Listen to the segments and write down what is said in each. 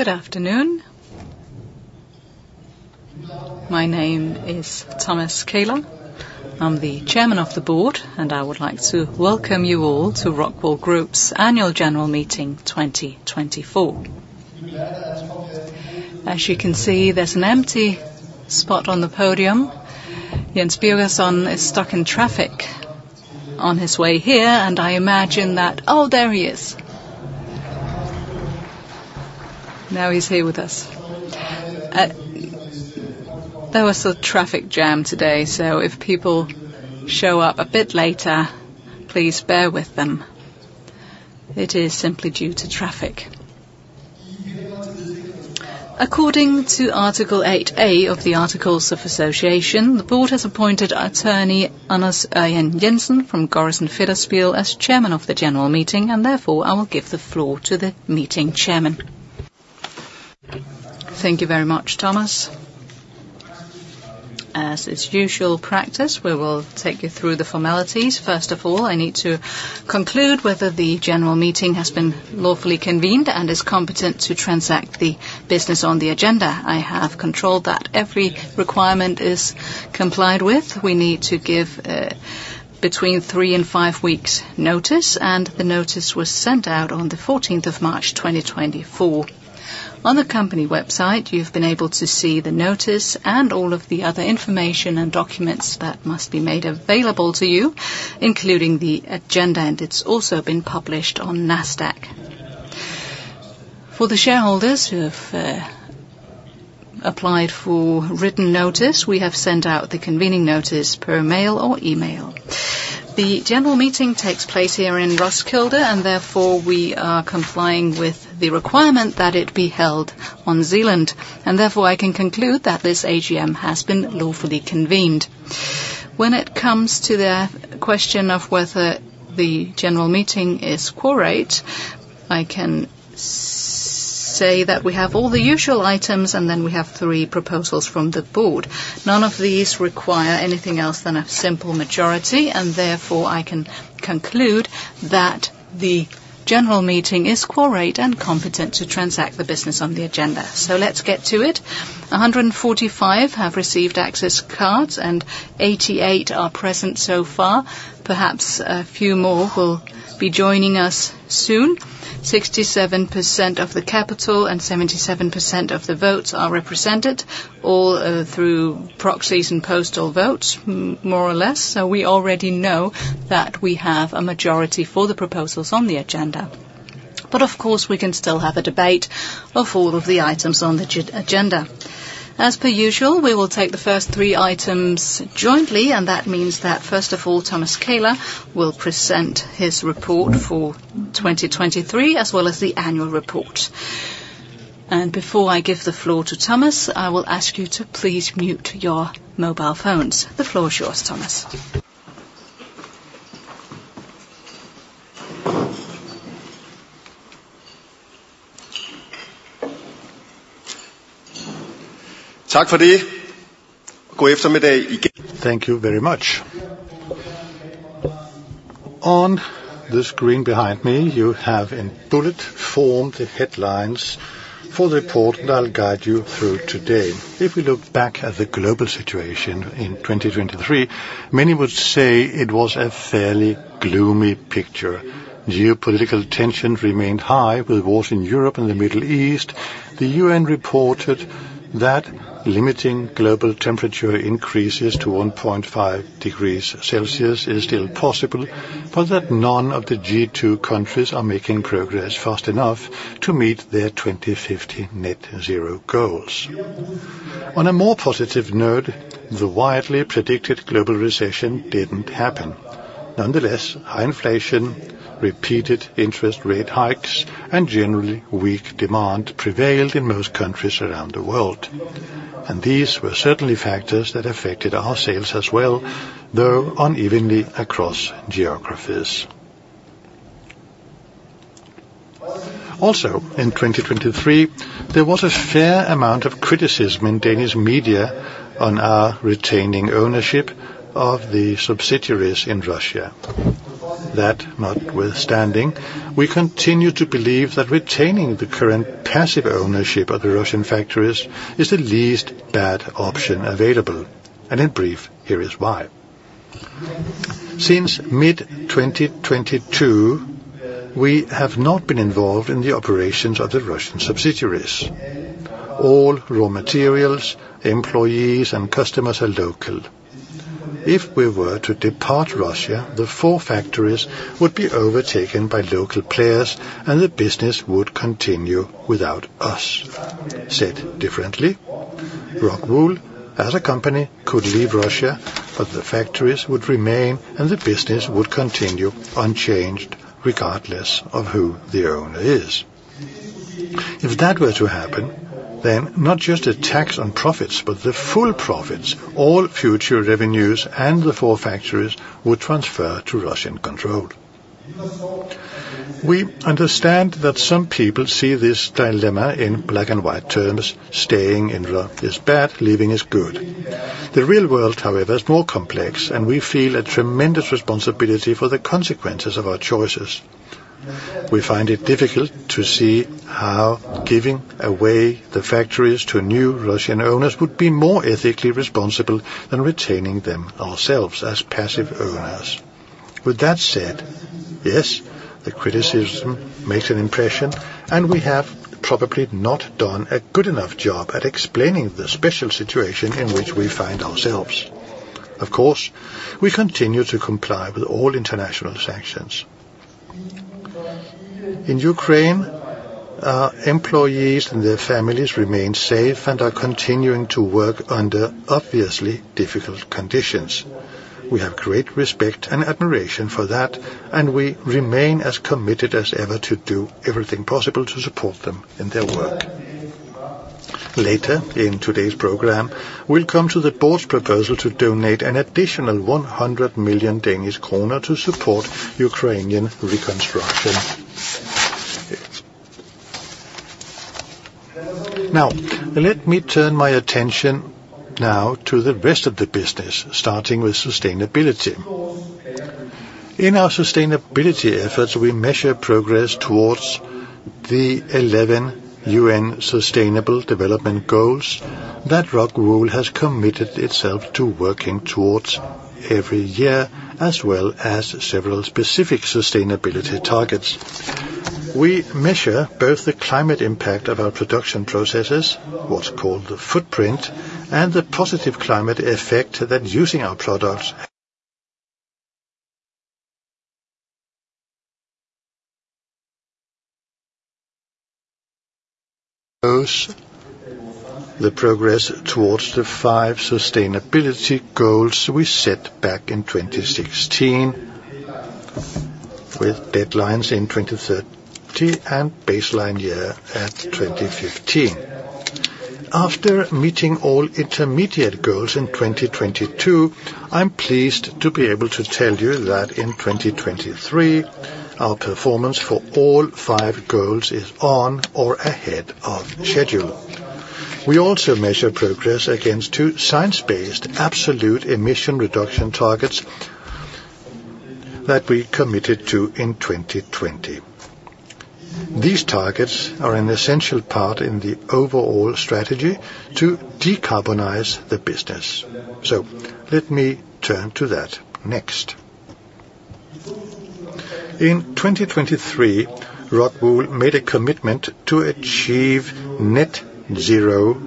Good afternoon. My name is Thomas Kähler. I'm the chairman of the board, and I would like to welcome you all to ROCKWOOL Group's annual general meeting 2024. As you can see, there's an empty spot on the podium. Jens Birgersson is stuck in traffic on his way here, and I imagine that oh, there he is. Now he's here with us. There was a traffic jam today, so if people show up a bit later, please bear with them. It is simply due to traffic. According to Article 8A of the Articles of Association, the board has appointed Attorney Anders Ørgaard Jensen from Gorrissen Federspiel as chairman of the general meeting, and therefore I will give the floor to the meeting chairman. Thank you very much, Thomas. As is usual practice, we will take you through the formalities. First of all, I need to conclude whether the general meeting has been lawfully convened and is competent to transact the business on the agenda. I have controlled that every requirement is complied with. We need to give, between 3 and 5 weeks' notice, and the notice was sent out on the 14th of March, 2024. On the company website, you've been able to see the notice and all of the other information and documents that must be made available to you, including the agenda, and it's also been published on NASDAQ. For the shareholders who have, applied for written notice, we have sent out the convening notice per mail or email. The general meeting takes place here in Roskilde, and therefore we are complying with the requirement that it be held on Zealand, and therefore I can conclude that this AGM has been lawfully convened. When it comes to the question of whether the general meeting is quorate, I can say that we have all the usual items, and then we have three proposals from the board. None of these require anything else than a simple majority, and therefore I can conclude that the general meeting is quorate and competent to transact the business on the agenda. So let's get to it. 145 have received access cards, and 88 are present so far. Perhaps a few more will be joining us soon. 67% of the capital and 77% of the votes are represented, all through proxies and postal votes, more or less. So we already know that we have a majority for the proposals on the agenda. But of course, we can still have a debate of all of the items on the agenda. As per usual, we will take the first three items jointly, and that means that, first of all, Thomas Kähler will present his report for 2023 as well as the annual report. Before I give the floor to Thomas, I will ask you to please mute your mobile phones. The floor is yours, Thomas. Tak for det. God eftermiddag igen. Thank you very much. On the screen behind me, you have in bullet form the headlines for the report that I'll guide you through today. If we look back at the global situation in 2023, many would say it was a fairly gloomy picture. Geopolitical tensions remained high with wars in Europe and the Middle East. The UN reported that limiting global temperature increases to 1.5 degrees Celsius is still possible, but that none of the G20 countries are making progress fast enough to meet their 2050 net-zero goals. On a more positive note, the widely predicted global recession didn't happen. Nonetheless, high inflation, repeated interest rate hikes, and generally weak demand prevailed in most countries around the world. These were certainly factors that affected our sales as well, though unevenly across geographies. Also, in 2023, there was a fair amount of criticism in Danish media on our retaining ownership of the subsidiaries in Russia. That notwithstanding, we continue to believe that retaining the current passive ownership of the Russian factories is the least bad option available, and in brief, here is why. Since mid-2022, we have not been involved in the operations of the Russian subsidiaries. All raw materials, employees, and customers are local. If we were to depart Russia, the four factories would be overtaken by local players, and the business would continue without us. Said differently, ROCKWOOL, as a company, could leave Russia, but the factories would remain, and the business would continue unchanged regardless of who the owner is. If that were to happen, then not just a tax on profits, but the full profits, all future revenues, and the four factories would transfer to Russian control. We understand that some people see this dilemma in black-and-white terms: staying in Russia is bad, leaving is good. The real world, however, is more complex, and we feel a tremendous responsibility for the consequences of our choices. We find it difficult to see how giving away the factories to new Russian owners would be more ethically responsible than retaining them ourselves as passive owners. With that said, yes, the criticism makes an impression, and we have probably not done a good enough job at explaining the special situation in which we find ourselves. Of course, we continue to comply with all international sanctions. In Ukraine, our employees and their families remain safe and are continuing to work under obviously difficult conditions. We have great respect and admiration for that, and we remain as committed as ever to do everything possible to support them in their work. Later, in today's program, we'll come to the board's proposal to donate an additional 100 million Danish kroner to support Ukrainian reconstruction. Now, let me turn my attention now to the rest of the business, starting with sustainability. In our sustainability efforts, we measure progress towards the 11 UN Sustainable Development Goals that ROCKWOOL has committed itself to working towards every year, as well as several specific sustainability targets. We measure both the climate impact of our production processes, what's called the footprint, and the positive climate effect that using our products has. Those are the progress towards the five sustainability goals we set back in 2016, with deadlines in 2030 and baseline year at 2015. After meeting all intermediate goals in 2022, I'm pleased to be able to tell you that in 2023, our performance for all five goals is on or ahead of schedule. We also measure progress against two science-based absolute emission reduction targets that we committed to in 2020. These targets are an essential part in the overall strategy to decarbonize the business. So let me turn to that next. In 2023, ROCKWOOL made a commitment to achieve net-zero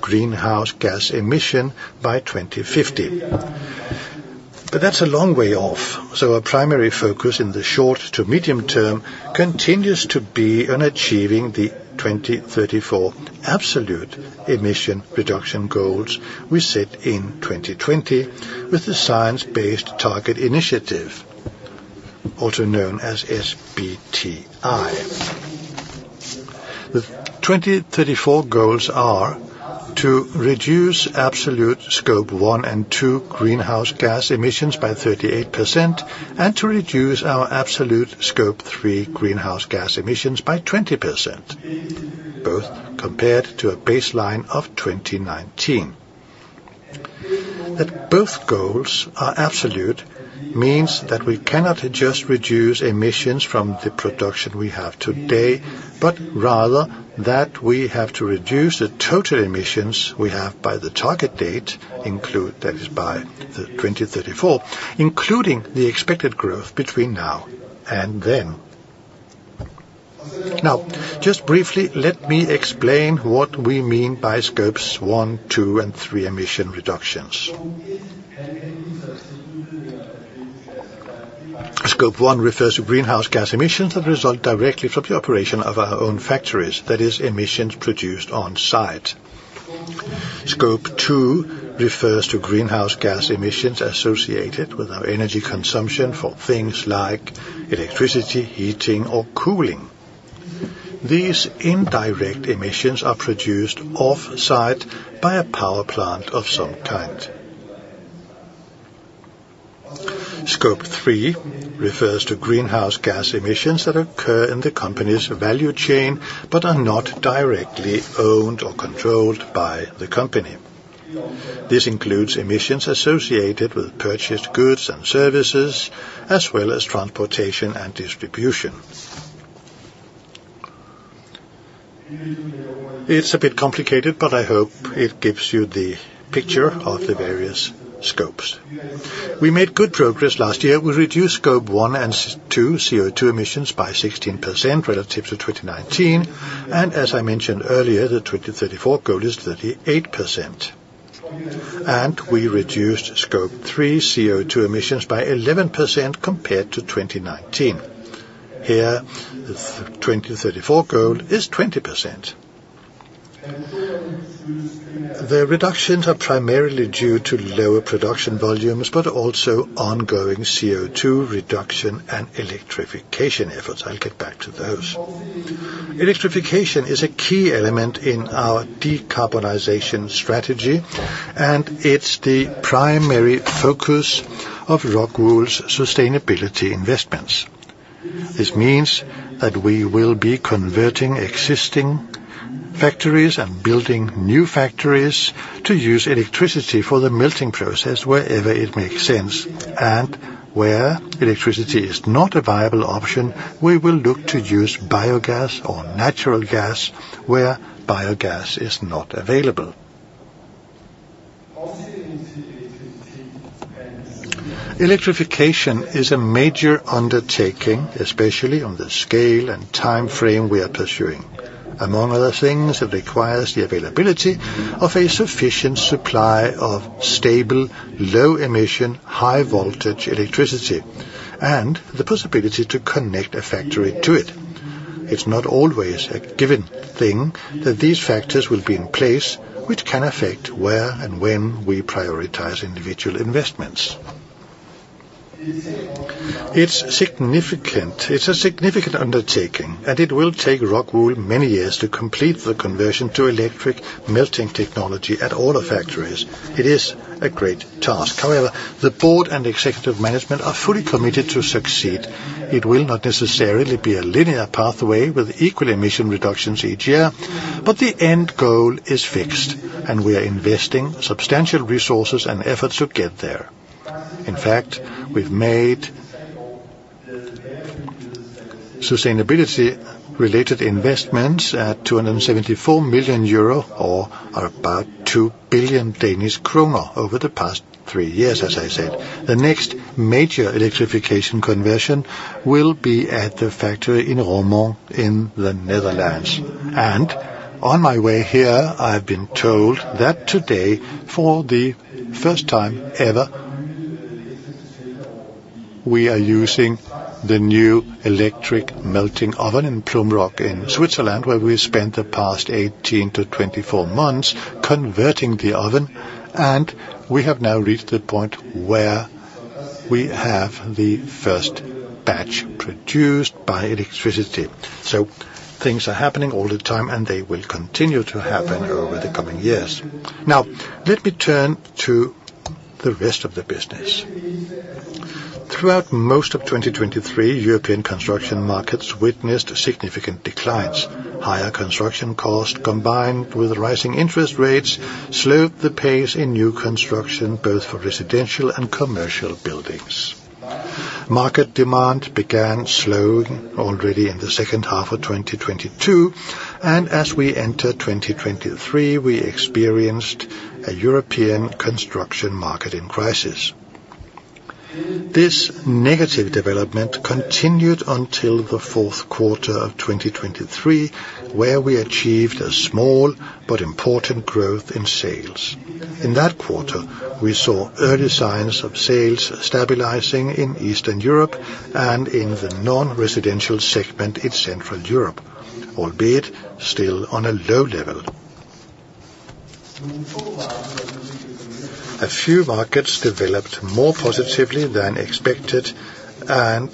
greenhouse gas emission by 2050. But that's a long way off, so our primary focus in the short to medium term continues to be on achieving the 2034 absolute emission reduction goals we set in 2020 with the Science Based Targets initiative, also known as SBTi. The 2034 goals are to reduce absolute Scope 1 and 2 greenhouse gas emissions by 38% and to reduce our absolute Scope 3 greenhouse gas emissions by 20%, both compared to a baseline of 2019. That both goals are absolute means that we cannot just reduce emissions from the production we have today, but rather that we have to reduce the total emissions we have by the target date, that is, by 2034, including the expected growth between now and then. Now, just briefly, let me explain what we mean by Scopes 1, 2, and 3 emission reductions. Scope 1 refers to greenhouse gas emissions that result directly from the operation of our own factories, that is, emissions produced on-site. Scope 2 refers to greenhouse gas emissions associated with our energy consumption for things like electricity, heating, or cooling. These indirect emissions are produced off-site by a power plant of some kind. Scope 3 refers to greenhouse gas emissions that occur in the company's value chain but are not directly owned or controlled by the company. This includes emissions associated with purchased goods and services, as well as transportation and distribution. It's a bit complicated, but I hope it gives you the picture of the various scopes. We made good progress last year. We reduced Scope 1 and 2 CO2 emissions by 16% relative to 2019, and as I mentioned earlier, the 2034 goal is 38%. We reduced Scope 3 CO2 emissions by 11% compared to 2019. Here, the 2034 goal is 20%. The reductions are primarily due to lower production volumes but also ongoing CO2 reduction and electrification efforts. I'll get back to those. Electrification is a key element in our decarbonization strategy, and it's the primary focus of ROCKWOOL's sustainability investments. This means that we will be converting existing factories and building new factories to use electricity for the melting process wherever it makes sense. Where electricity is not a viable option, we will look to use biogas or natural gas where biogas is not available. Electrification is a major undertaking, especially on the scale and time frame we are pursuing. Among other things, it requires the availability of a sufficient supply of stable, low-emission, high-voltage electricity and the possibility to connect a factory to it. It's not always a given thing that these factors will be in place, which can affect where and when we prioritize individual investments. It's a significant undertaking, and it will take ROCKWOOL many years to complete the conversion to electric melting technology at all our factories. It is a great task. However, the board and executive management are fully committed to succeed. It will not necessarily be a linear pathway with equal emission reductions each year, but the end goal is fixed, and we are investing substantial resources and efforts to get there. In fact, we've made sustainability-related investments at 274 million euro or about EUR 2 billion over the past three years, as I said. The next major electrification conversion will be at the factory in Roermond in the Netherlands. On my way here, I've been told that today, for the first time ever, we are using the new electric melting oven in Flumroc in Switzerland, where we spent the past 18-24 months converting the oven. We have now reached the point where we have the first batch produced by electricity. Things are happening all the time, and they will continue to happen over the coming years. Now, let me turn to the rest of the business. Throughout most of 2023, European construction markets witnessed significant declines. Higher construction costs, combined with rising interest rates, slowed the pace in new construction, both for residential and commercial buildings. Market demand began slowing already in the second half of 2022, and as we entered 2023, we experienced a European construction market in crisis. This negative development continued until the fourth quarter of 2023, where we achieved a small but important growth in sales. In that quarter, we saw early signs of sales stabilizing in Eastern Europe and in the non-residential segment in Central Europe, albeit still on a low level. A few markets developed more positively than expected, and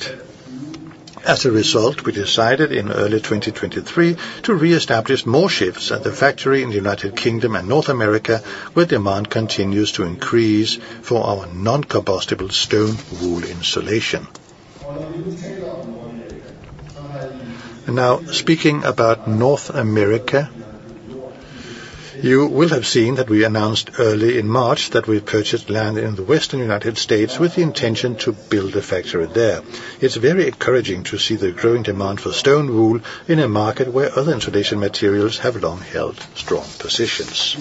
as a result, we decided in early 2023 to reestablish more shifts at the factory in the United Kingdom and North America, where demand continues to increase for our non-combustible stone wool insulation. Now, speaking about North America, you will have seen that we announced early in March that we purchased land in the western United States with the intention to build a factory there. It's very encouraging to see the growing demand for stone wool in a market where other insulation materials have long held strong positions.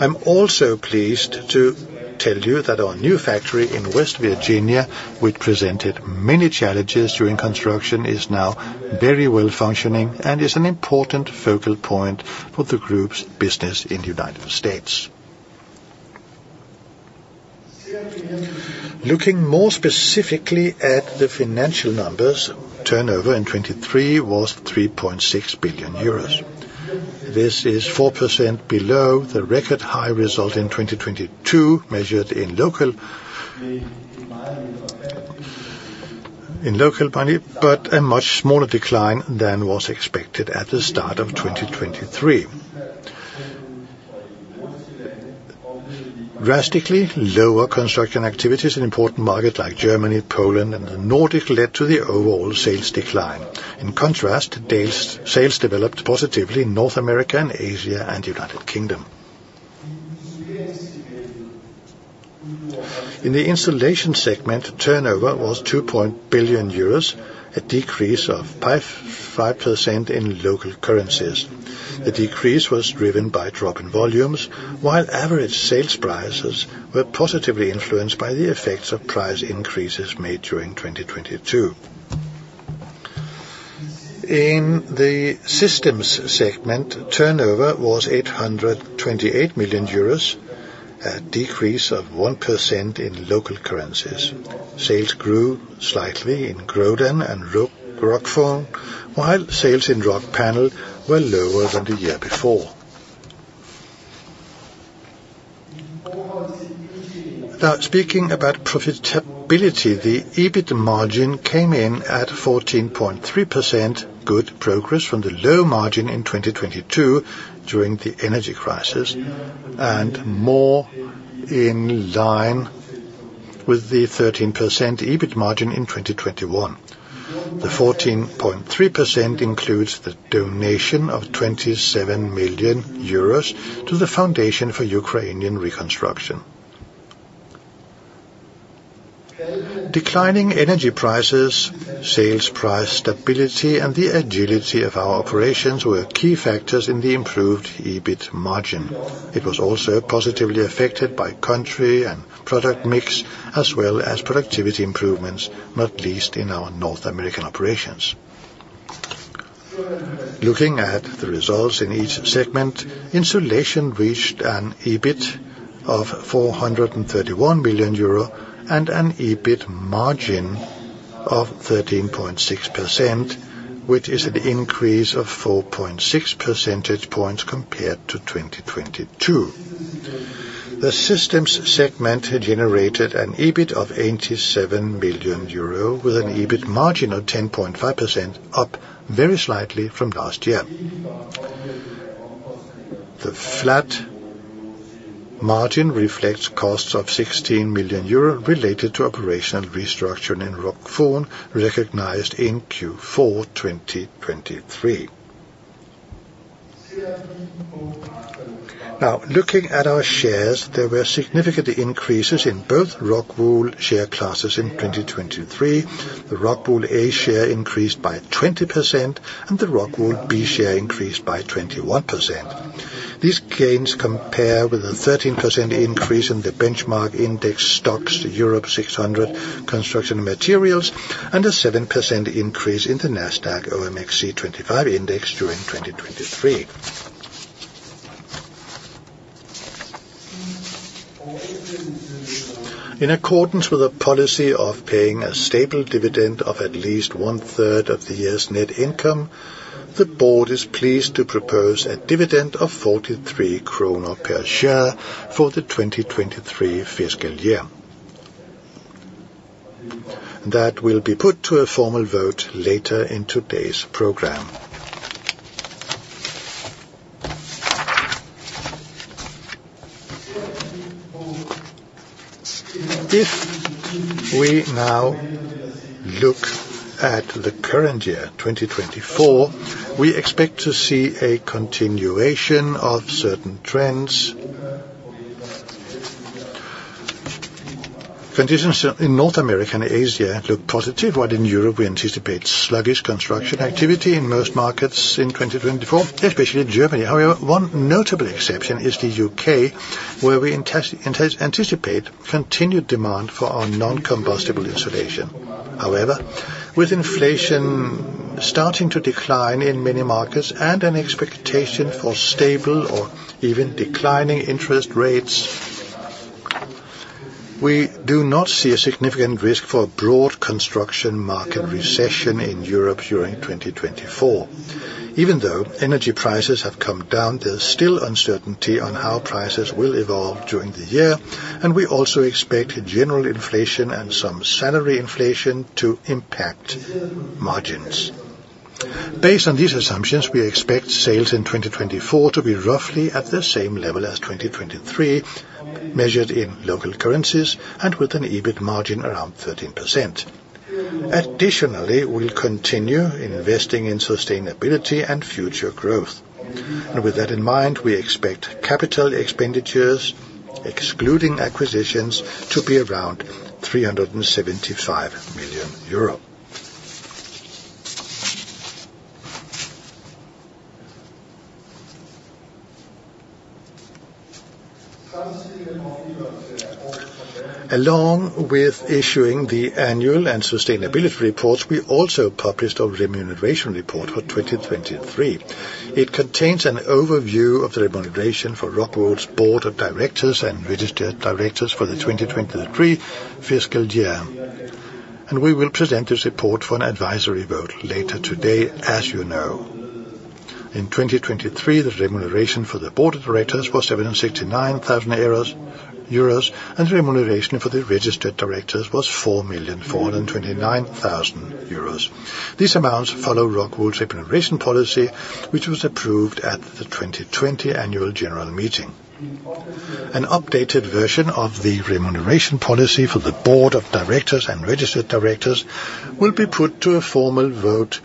I'm also pleased to tell you that our new factory in West Virginia, which presented many challenges during construction, is now very well functioning and is an important focal point for the group's business in the United States. Looking more specifically at the financial numbers, turnover in 2023 was 3.6 billion euros. This is 4% below the record high result in 2022 measured in local money, but a much smaller decline than was expected at the start of 2023. Drastically lower construction activities in important markets like Germany, Poland, and the Nordics led to the overall sales decline. In contrast, sales developed positively in North America, Asia, and the United Kingdom. In the insulation segment, turnover was 2.0 billion euros, a decrease of 5% in local currencies. The decrease was driven by drop in volumes, while average sales prices were positively influenced by the effects of price increases made during 2022. In the systems segment, turnover was 828 million euros, a decrease of 1% in local currencies. Sales grew slightly in Grodan and Rockwool, while sales in Rockpanel were lower than the year before. Now, speaking about profitability, the EBIT margin came in at 14.3%, good progress from the low margin in 2022 during the energy crisis and more in line with the 13% EBIT margin in 2021. The 14.3% includes the donation of 27 million euros to the Foundation for Ukrainian Reconstruction. Declining energy prices, sales price stability, and the agility of our operations were key factors in the improved EBIT margin. It was also positively affected by country and product mix, as well as productivity improvements, not least in our North American operations. Looking at the results in each segment, insulation reached an EBIT of 431 million euro and an EBIT margin of 13.6%, which is an increase of 4.6 percentage points compared to 2022. The systems segment generated an EBIT of 87 million euro, with an EBIT margin of 10.5%, up very slightly from last year. The flat margin reflects costs of 16 million euro related to operational restructure in Rockwool, recognized in Q4 2023. Now, looking at our shares, there were significant increases in both Rockwool share classes in 2023. The ROCKWOOL A share increased by 20%, and the ROCKWOOL B share increased by 21%. These gains compare with a 13% increase in the benchmark index Stoxx Europe 600 Construction Materials and a 7% increase in the NASDAQ OMXC 25 index during 2023. In accordance with a policy of paying a stable dividend of at least one-third of the year's net income, the board is pleased to propose a dividend of EUR 43 per share for the 2023 fiscal year. That will be put to a formal vote later in today's program. If we now look at the current year, 2024, we expect to see a continuation of certain trends. Conditions in North America and Asia look positive, while in Europe, we anticipate sluggish construction activity in most markets in 2024, especially in Germany. However, one notable exception is the UK, where we anticipate continued demand for our non-combustible insulation. However, with inflation starting to decline in many markets and an expectation for stable or even declining interest rates, we do not see a significant risk for a broad construction market recession in Europe during 2024. Even though energy prices have come down, there's still uncertainty on how prices will evolve during the year, and we also expect general inflation and some salary inflation to impact margins. Based on these assumptions, we expect sales in 2024 to be roughly at the same level as 2023, measured in local currencies and with an EBIT margin around 13%. Additionally, we'll continue investing in sustainability and future growth. With that in mind, we expect capital expenditures, excluding acquisitions, to be around 375 million euro. Along with issuing the annual and sustainability reports, we also published a remuneration report for 2023. It contains an overview of the remuneration for ROCKWOOL's board of directors and registered directors for the 2023 fiscal year. We will present this report for an advisory vote later today, as you know. In 2023, the remuneration for the board of directors was 769,000 euros, and the remuneration for the registered directors was 4,429,000 euros. These amounts follow ROCKWOOL's remuneration policy, which was approved at the 2020 annual general meeting. An updated version of the remuneration policy for the board of directors and registered directors will be put to a formal vote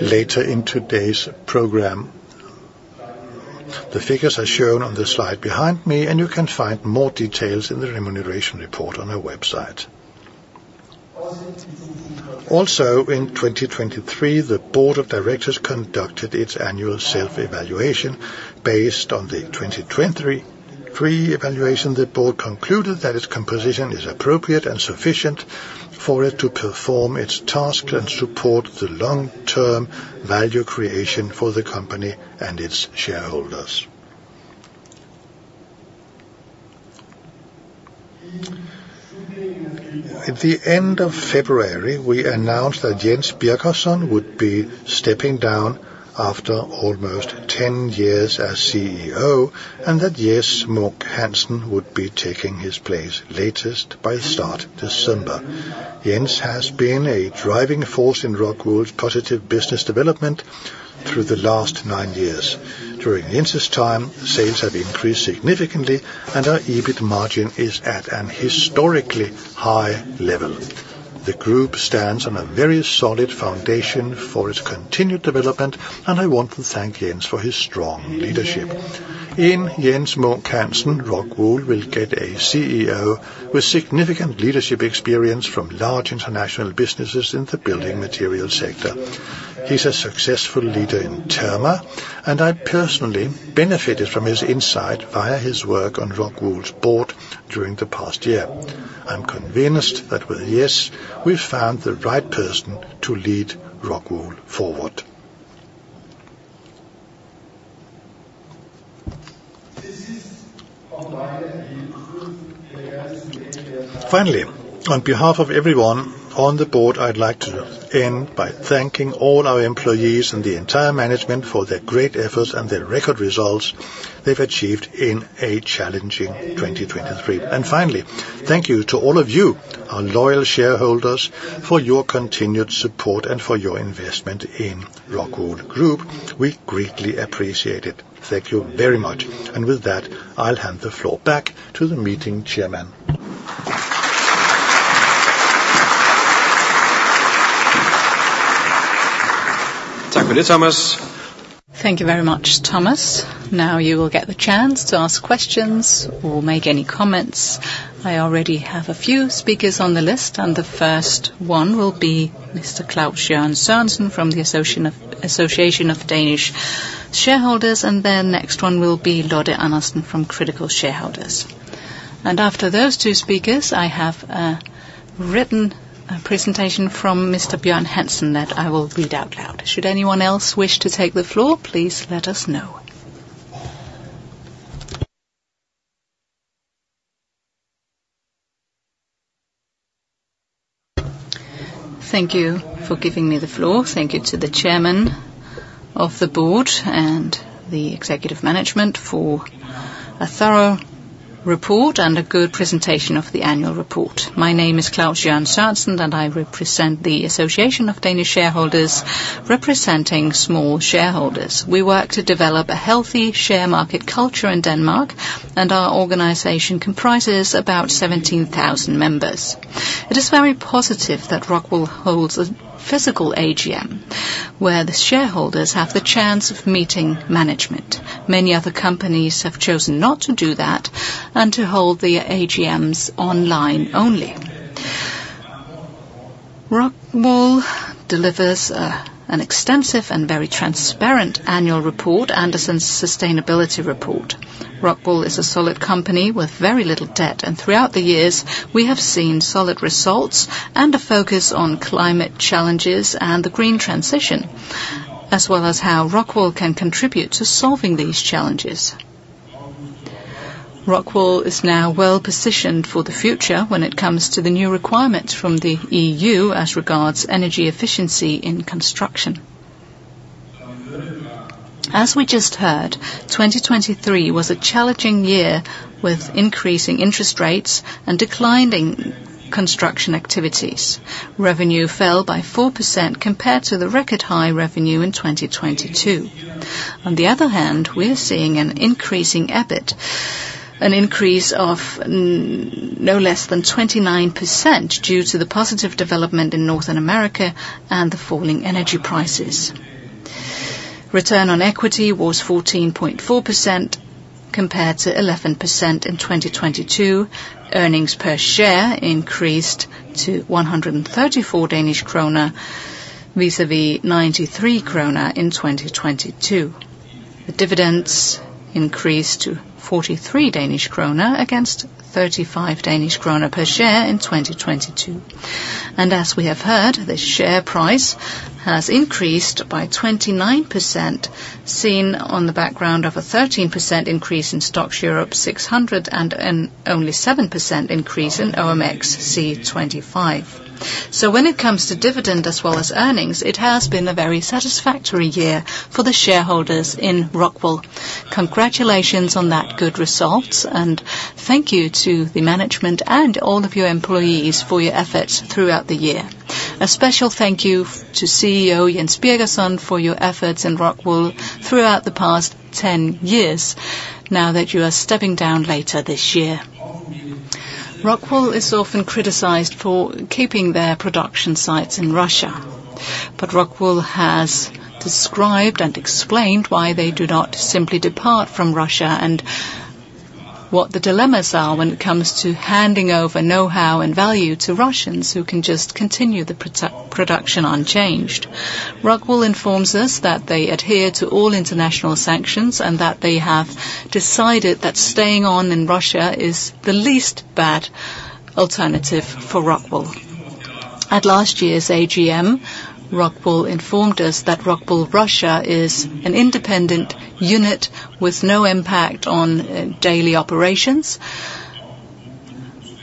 later in today's program. The figures are shown on the slide behind me, and you can find more details in the remuneration report on our website. Also, in 2023, the board of directors conducted its annual self-evaluation. Based on the 2023 evaluation, the board concluded that its composition is appropriate and sufficient for it to perform its tasks and support the long-term value creation for the company and its shareholders. At the end of February, we announced that Jens Birgersson would be stepping down after almost 10 years as CEO and that Jes Munk Hansen would be taking his place latest by start December. Jens has been a driving force in Rockwool's positive business development through the last nine years. During Jens's time, sales have increased significantly, and our EBIT margin is at a historically high level. The group stands on a very solid foundation for its continued development, and I want to thank Jens for his strong leadership. In Jes Munk Hansen, Rockwool will get a CEO with significant leadership experience from large international businesses in the building material sector. He's a successful leader in Terma, and I personally benefited from his insight via his work on ROCKWOOL's board during the past year. I'm convinced that with Jens, we've found the right person to lead ROCKWOOL forward. Finally, on behalf of everyone on the board, I'd like to end by thanking all our employees and the entire management for their great efforts and the record results they've achieved in a challenging 2023. And finally, thank you to all of you, our loyal shareholders, for your continued support and for your investment in ROCKWOOL Group. We greatly appreciate it. Thank you very much. And with that, I'll hand the floor back to the meeting chairman. Tak for det, Thomas. Thank you very much, Thomas. Now you will get the chance to ask questions or make any comments. I already have a few speakers on the list, and the first one will be Mr. Klaus Jørgen Sørensen from the Association of Danish Shareholders, and the next one will be Lotte Andersen from Critical Shareholders. And after those two speakers, I have a written presentation from Mr. Bjørn Hansen that I will read out loud. Should anyone else wish to take the floor, please let us know. Thank you for giving me the floor. Thank you to the chairman of the board and the executive management for a thorough report and a good presentation of the annual report. My name is Klaus Jørgen Sørensen, and I represent the Association of Danish Shareholders, representing small shareholders. We work to develop a healthy share market culture in Denmark, and our organization comprises about 17,000 members. It is very positive that ROCKWOOL holds a physical AGM, where the shareholders have the chance of meeting management. Many other companies have chosen not to do that and to hold the AGMs online only. ROCKWOOL delivers an extensive and very transparent annual report, Andersen's Sustainability Report. ROCKWOOL is a solid company with very little debt, and throughout the years, we have seen solid results and a focus on climate challenges and the green transition, as well as how ROCKWOOL can contribute to solving these challenges. ROCKWOOL is now well positioned for the future when it comes to the new requirements from the EU as regards energy efficiency in construction. As we just heard, 2023 was a challenging year with increasing interest rates and declining construction activities. Revenue fell by 4% compared to the record high revenue in 2022. On the other hand, we are seeing an increasing EBIT, an increase of no less than 29% due to the positive development in North America and the falling energy prices. Return on equity was 14.4% compared to 11% in 2022. Earnings per share increased to 134 Danish kroner vis-à-vis 93 kroner in 2022. The dividends increased to 43 Danish kroner against 35 Danish kroner per share in 2022. And as we have heard, the share price has increased by 29%, seen on the background of a 13% increase in Stoxx Europe 600 and an only 7% increase in OMXC 25. So when it comes to dividend as well as earnings, it has been a very satisfactory year for the shareholders in Rockwool. Congratulations on that good results, and thank you to the management and all of your employees for your efforts throughout the year. A special thank you to CEO Jens Birgersson for your efforts in ROCKWOOL throughout the past 10 years, now that you are stepping down later this year. ROCKWOOL is often criticized for keeping their production sites in Russia, but ROCKWOOL has described and explained why they do not simply depart from Russia and what the dilemmas are when it comes to handing over know-how and value to Russians who can just continue the production unchanged. ROCKWOOL informs us that they adhere to all international sanctions and that they have decided that staying on in Russia is the least bad alternative for ROCKWOOL. At last year's AGM, ROCKWOOL informed us that ROCKWOOL Russia is an independent unit with no impact on daily operations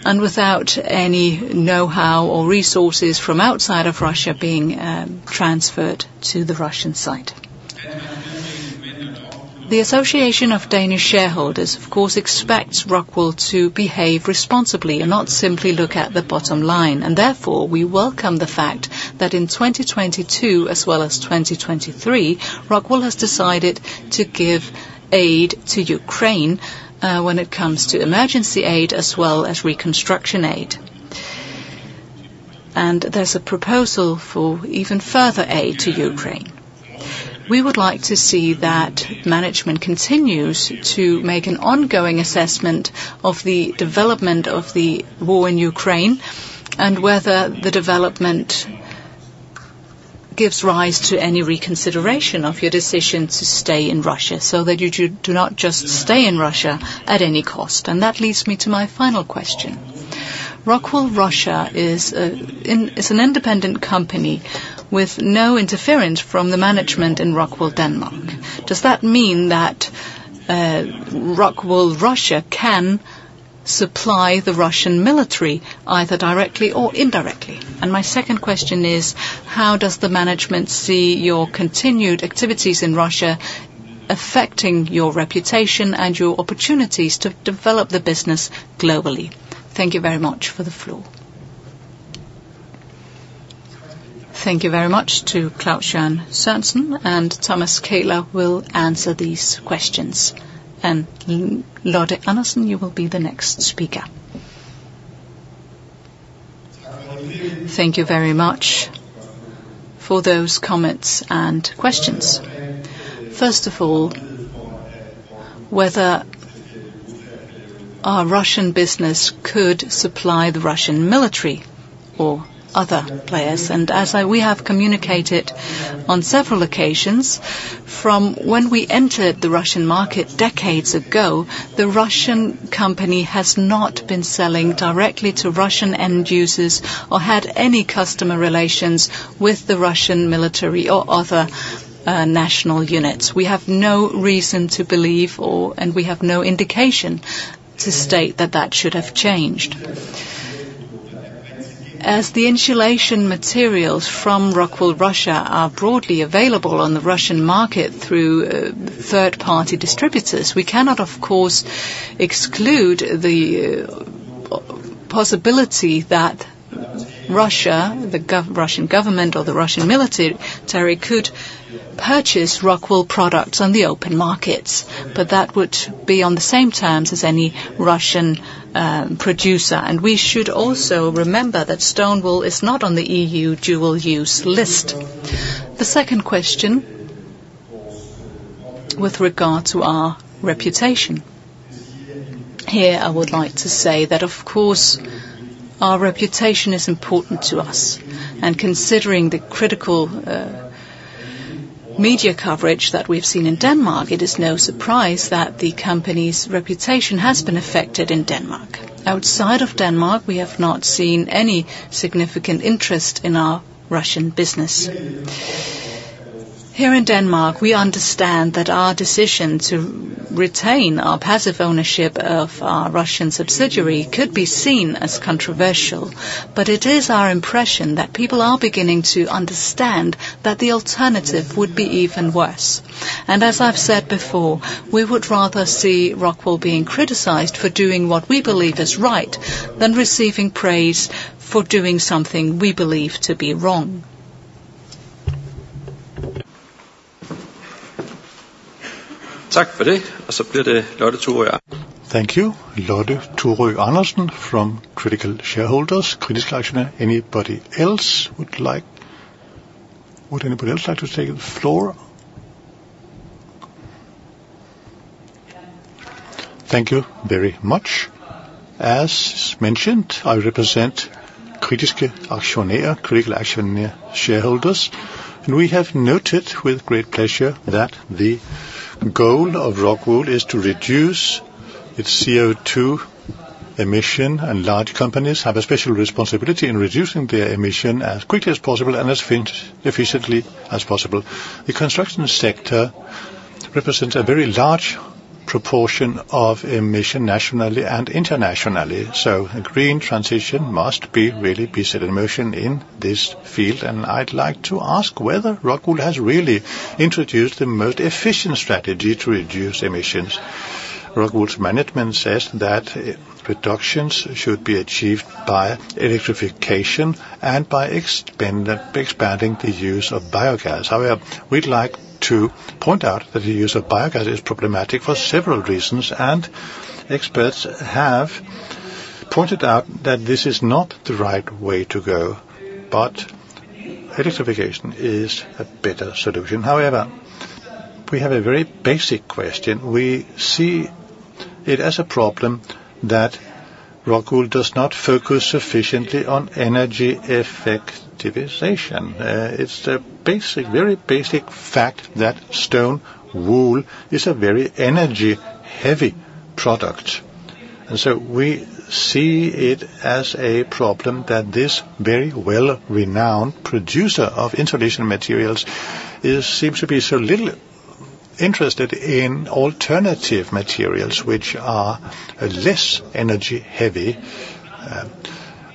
and without any know-how or resources from outside of Russia being transferred to the Russian site. The Association of Danish Shareholders, of course, expects ROCKWOOL to behave responsibly and not simply look at the bottom line. Therefore, we welcome the fact that in 2022 as well as 2023, ROCKWOOL has decided to give aid to Ukraine when it comes to emergency aid as well as reconstruction aid. There's a proposal for even further aid to Ukraine. We would like to see that management continues to make an ongoing assessment of the development of the war in Ukraine and whether the development gives rise to any reconsideration of your decision to stay in Russia so that you do not just stay in Russia at any cost. That leads me to my final question. ROCKWOOL Russia is an independent company with no interference from the management in ROCKWOOL Denmark. Does that mean that ROCKWOOL Russia can supply the Russian military either directly or indirectly? And my second question is, how does the management see your continued activities in Russia affecting your reputation and your opportunities to develop the business globally? Thank you very much for the floor. Thank you very much to Klaus Jørgen Sørensen, and Thomas Kähler will answer these questions. And Lotte Andersen, you will be the next speaker. Thank you very much for those comments and questions. First of all, whether our Russian business could supply the Russian military or other players. As we have communicated on several occasions, from when we entered the Russian market decades ago, the Russian company has not been selling directly to Russian end users or had any customer relations with the Russian military or other national units. We have no reason to believe or and we have no indication to state that that should have changed. As the insulation materials from ROCKWOOL Russia are broadly available on the Russian market through third-party distributors, we cannot, of course, exclude the possibility that Russia, the Russian government, or the Russian military could purchase ROCKWOOL products on the open markets. But that would be on the same terms as any Russian producer. And we should also remember that stone wool is not on the EU dual-use list. The second question with regard to our reputation. Here, I would like to say that, of course, our reputation is important to us. Considering the critical media coverage that we've seen in Denmark, it is no surprise that the company's reputation has been affected in Denmark. Outside of Denmark, we have not seen any significant interest in our Russian business. Here in Denmark, we understand that our decision to retain our passive ownership of our Russian subsidiary could be seen as controversial, but it is our impression that people are beginning to understand that the alternative would be even worse. As I've said before, we would rather see ROCKWOOL being criticized for doing what we believe is right than receiving praise for doing something we believe to be wrong. Thank you, Lotte Thurø Andersen from Critical Shareholders. Critical Shareholders, anybody else like to take the floor? Thank you very much. As mentioned, I represent Critical Shareholders, Critical Shareholders shareholders. We have noted with great pleasure that the goal of ROCKWOOL is to reduce its CO2 emission, and large companies have a special responsibility in reducing their emission as quickly as possible and as efficiently as possible. The construction sector represents a very large proportion of emission nationally and internationally. So a green transition must really be set in motion in this field. I'd like to ask whether ROCKWOOL has really introduced the most efficient strategy to reduce emissions. ROCKWOOL's management says that reductions should be achieved by electrification and by expanding the use of biogas. However, we'd like to point out that the use of biogas is problematic for several reasons, and experts have pointed out that this is not the right way to go, but electrification is a better solution. However, we have a very basic question. We see it as a problem that ROCKWOOL does not focus sufficiently on energy efficiency. It's a very basic fact that stone wool is a very energy-heavy product. And so we see it as a problem that this very well-renowned producer of insulation materials seems to be so little interested in alternative materials which are less energy-heavy.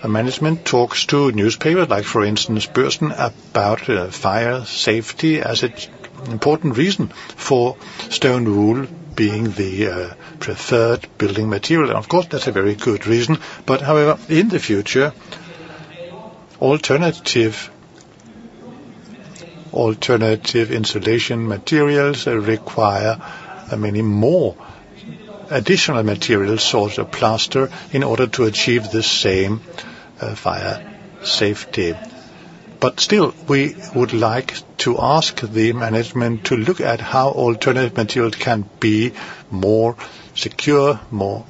Management talks to newspapers, like for instance Børsen, about fire safety as an important reason for stone wool being the preferred building material. And of course, that's a very good reason. However, in the future, alternative insulation materials require many more additional materials, sorts of plaster, in order to achieve the same fire safety. Still, we would like to ask the management to look at how alternative materials can be more secure, more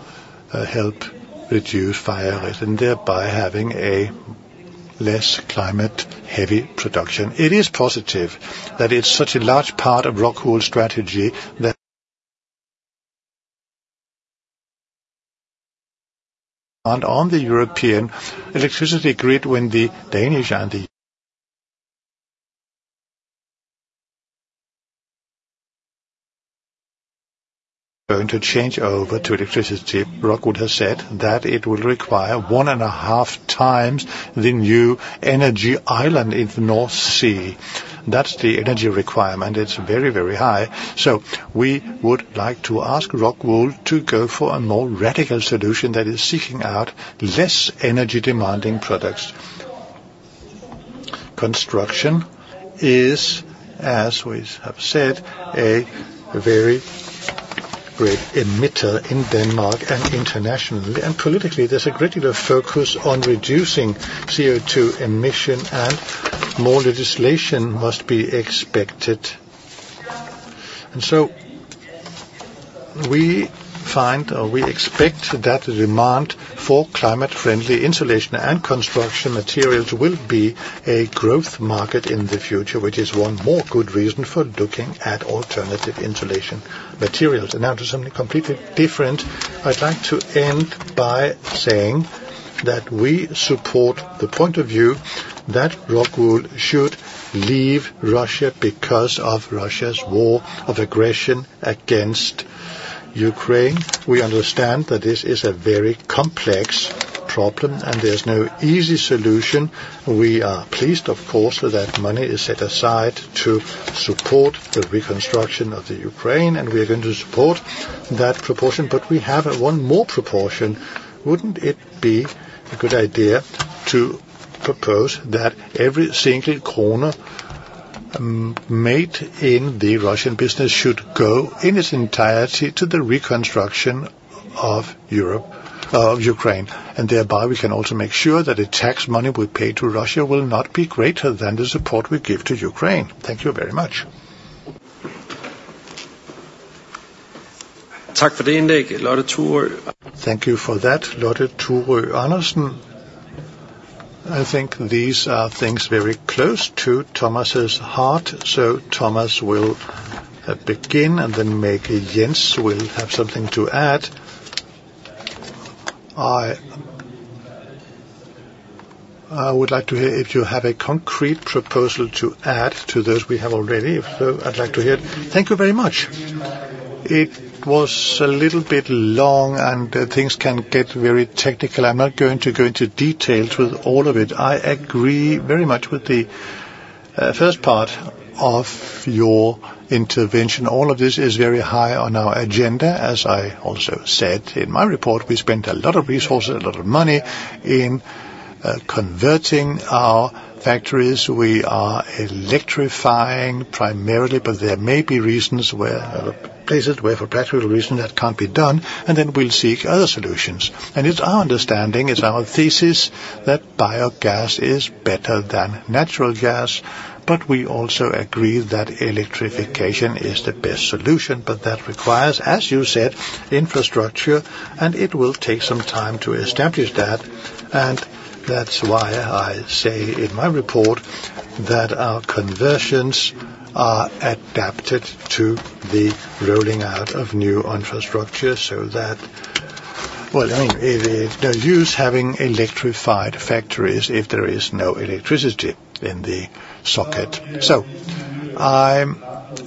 help reduce fire risk, and thereby having a less climate-heavy production. It is positive that it's such a large part of ROCKWOOL's strategy that and on the European electricity grid, when the Danish are going to change over to electricity, ROCKWOOL has said that it will require one and a half times the new energy island in the North Sea. That's the energy requirement. It's very, very high. We would like to ask ROCKWOOL to go for a more radical solution that is seeking out less energy-demanding products. Construction is, as we have said, a very great emitter in Denmark and internationally. Politically, there's a great deal of focus on reducing CO2 emission, and more legislation must be expected. And so we find or we expect that the demand for climate-friendly insulation and construction materials will be a growth market in the future, which is one more good reason for looking at alternative insulation materials. And now to something completely different, I'd like to end by saying that we support the point of view that ROCKWOOL should leave Russia because of Russia's war of aggression against Ukraine. We understand that this is a very complex problem, and there's no easy solution. We are pleased, of course, that money is set aside to support the reconstruction of Ukraine, and we are going to support that proportion. But we have one more proportion. Wouldn't it be a good idea to propose that every single krone made in the Russian business should go in its entirety to the reconstruction of Ukraine? And thereby, we can also make sure that the tax money we pay to Russia will not be greater than the support we give to Ukraine. Thank you very much. Thank you for that, Lotte Thurø Andersen. I think these are things very close to Thomas's heart. So Thomas will begin and then Jens will have something to add. I would like to hear if you have a concrete proposal to add to those we have already. If so, I'd like to hear it. Thank you very much. It was a little bit long, and things can get very technical. I'm not going to go into details with all of it. I agree very much with the first part of your intervention. All of this is very high on our agenda. As I also said in my report, we spent a lot of resources, a lot of money in converting our factories. We are electrifying primarily, but there may be reasons or places where for practical reasons that can't be done, and then we'll seek other solutions. And it's our understanding, it's our thesis, that biogas is better than natural gas. But we also agree that electrification is the best solution, but that requires, as you said, infrastructure, and it will take some time to establish that. And that's why I say in my report that our conversions are adapted to the rolling out of new infrastructure so that well, I mean, there's no use having electrified factories if there is no electricity in the socket. So I'm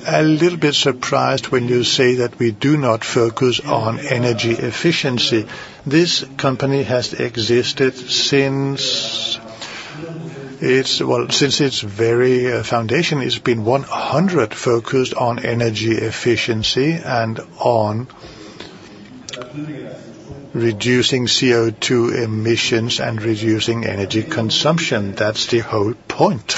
a little bit surprised when you say that we do not focus on energy efficiency. This company has existed since it's well, since its very foundation, it's been 100% focused on energy efficiency and on reducing CO2 emissions and reducing energy consumption. That's the whole point.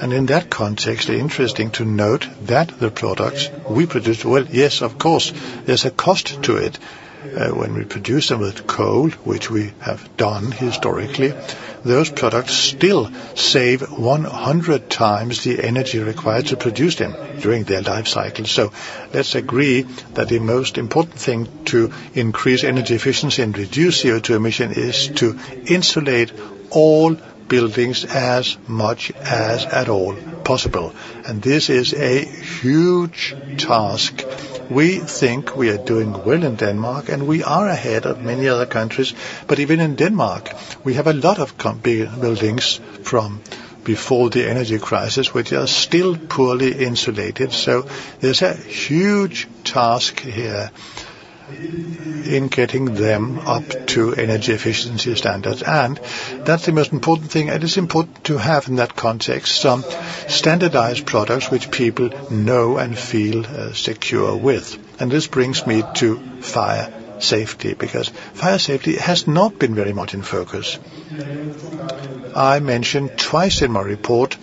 And in that context, interesting to note that the products we produce well, yes, of course, there's a cost to it. When we produce them with coal, which we have done historically, those products still save 100 times the energy required to produce them during their life cycle. So let's agree that the most important thing to increase energy efficiency and reduce CO2 emission is to insulate all buildings as much as at all possible. And this is a huge task. We think we are doing well in Denmark, and we are ahead of many other countries. But even in Denmark, we have a lot of big buildings from before the energy crisis which are still poorly insulated. So there's a huge task here in getting them up to energy efficiency standards. And that's the most important thing, and it's important to have in that context some standardized products which people know and feel secure with. And this brings me to fire safety because fire safety has not been very much in focus. I mentioned twice in my report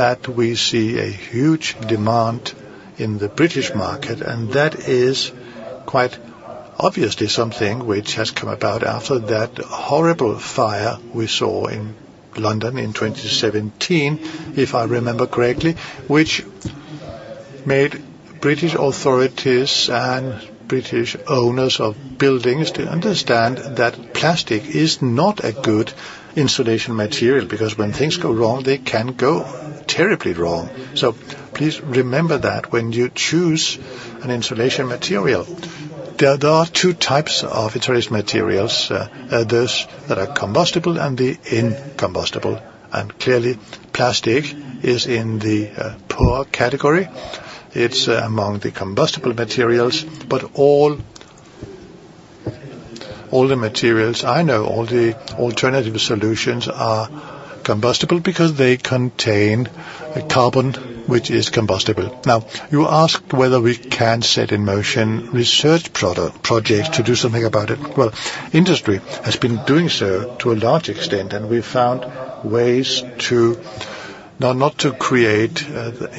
that we see a huge demand in the British market, and that is quite obviously something which has come about after that horrible fire we saw in London in 2017, if I remember correctly, which made British authorities and British owners of buildings to understand that plastic is not a good insulation material because when things go wrong, they can go terribly wrong. So please remember that when you choose an insulation material. There are two types of insulation materials. Those that are combustible and the incombustible. And clearly, plastic is in the poor category. It's among the combustible materials. But all the materials I know, all the alternative solutions are combustible because they contain carbon which is combustible. Now, you asked whether we can set in motion research projects to do something about it. Well, industry has been doing so to a large extent, and we found ways to not to create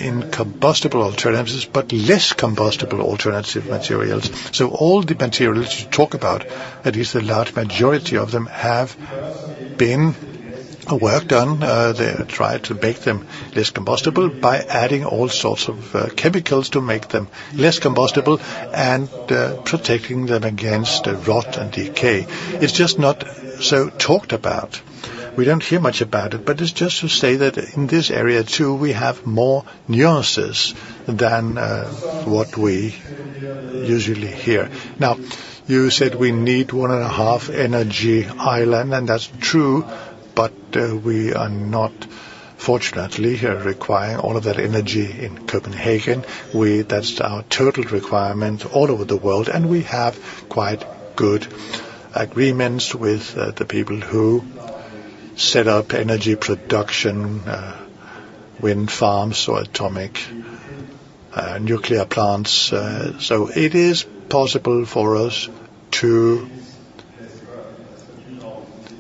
incombustible alternatives but less combustible alternative materials. So all the materials you talk about, at least the large majority of them, have been work done. They tried to make them less combustible by adding all sorts of chemicals to make them less combustible and protecting them against rot and decay. It's just not so talked about. We don't hear much about it, but it's just to say that in this area too, we have more nuances than what we usually hear. Now, you said we need 1.5 energy island, and that's true, but we are not, fortunately, requiring all of that energy in Copenhagen. That's our total requirement all over the world, and we have quite good agreements with the people who set up energy production, wind farms, so atomic nuclear plants. So it is possible for us to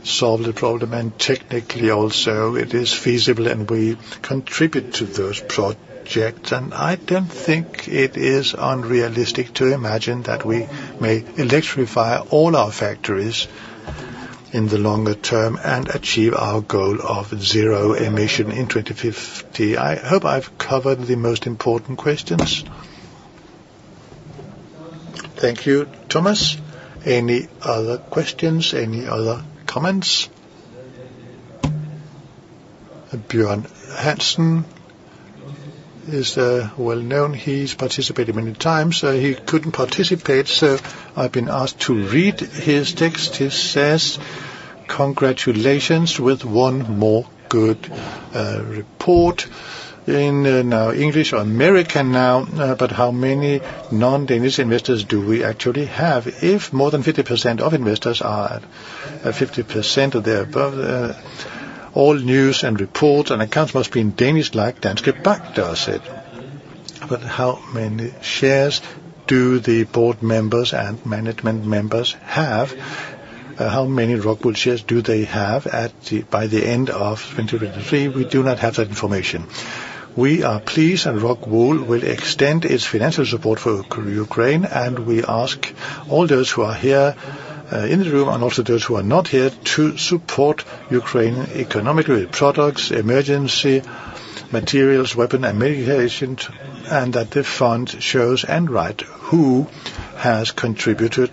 solve the problem, and technically also, it is feasible, and we contribute to those projects. And I don't think it is unrealistic to imagine that we may electrify all our factories in the longer term and achieve our goal of zero emission in 2050. I hope I've covered the most important questions. Thank you, Thomas. Any other questions? Any other comments? Bjørn Hansen is well known. He's participated many times. He couldn't participate, so I've been asked to read his text. He says, "Congratulations with one more good report." It's now English or American now, but how many non-Danish investors do we actually have? If more than 50% of investors are at 50% or thereabove, all news and reports and accounts must be in Danish-like. Danske Bank does it. But how many shares do the board members and management members have? How many ROCKWOOL shares do they have by the end of 2023? We do not have that information. We are pleased, and ROCKWOOL will extend its financial support for Ukraine, and we ask all those who are here in the room and also those who are not here to support Ukraine economically with products, emergency materials, weapons, and medication, and that the fund shows and writes who has contributed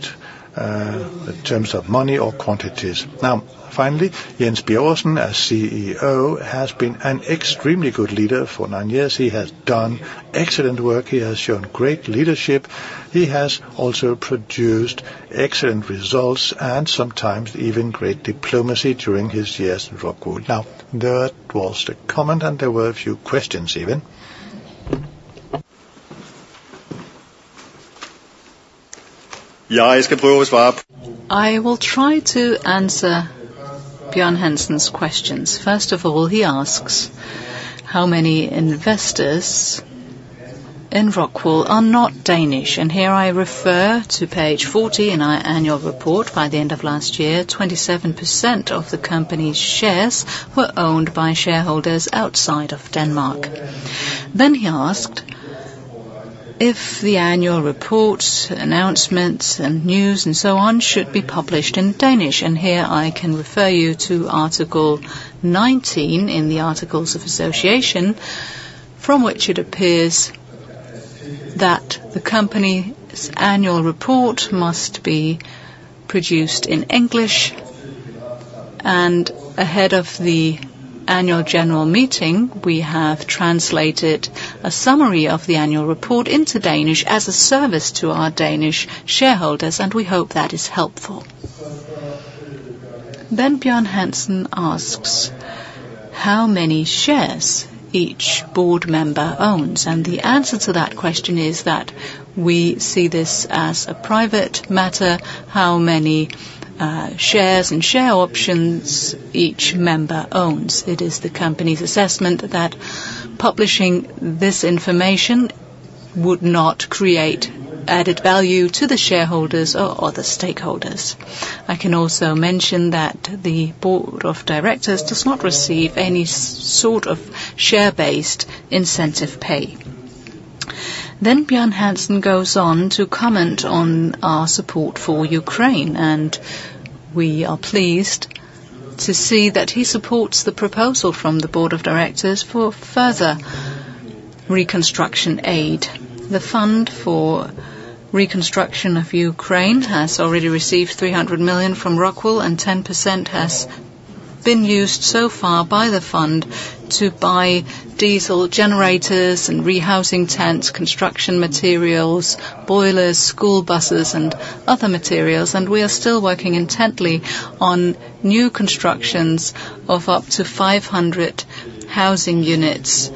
in terms of money or quantities. Now, finally, Jens Birgersson, as CEO, has been an extremely good leader for nine years. He has done excellent work. He has shown great leadership. He has also produced excellent results and sometimes even great diplomacy during his years at ROCKWOOL. Now, that was the comment, and there were a few questions even. I will try to answer Bjørn Hansen's questions. First of all, he asks how many investors in ROCKWOOL are not Danish, and here I refer to page 40 in our annual report. By the end of last year, 27% of the company's shares were owned by shareholders outside of Denmark. Then he asked if the annual reports, announcements, and news and so on should be published in Danish, and here I can refer you to article 19 in the Articles of Association from which it appears that the company's annual report must be produced in English. Ahead of the annual general meeting, we have translated a summary of the annual report into Danish as a service to our Danish shareholders, and we hope that is helpful. Then Bjørn Hansen asks how many shares each board member owns, and the answer to that question is that we see this as a private matter. How many shares and share options each member owns? It is the company's assessment that publishing this information would not create added value to the shareholders or other stakeholders. I can also mention that the board of directors does not receive any sort of share-based incentive pay. Then Bjørn Hansen goes on to comment on our support for Ukraine, and we are pleased to see that he supports the proposal from the board of directors for further reconstruction aid. The fund for reconstruction of Ukraine has already received 300 million from ROCKWOOL, and 10% has been used so far by the fund to buy diesel generators and rehousing tents, construction materials, boilers, school buses, and other materials, and we are still working intently on new constructions of up to 500 housing units.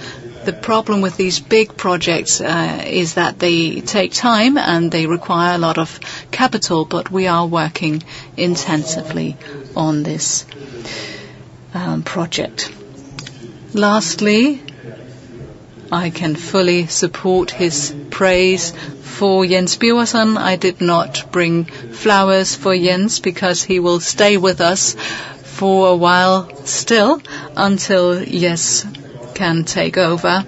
The problem with these big projects is that they take time and they require a lot of capital, but we are working intensively on this project. Lastly, I can fully support his praise for Jens Birgersson. I did not bring flowers for Jens because he will stay with us for a while still until Jes can take over,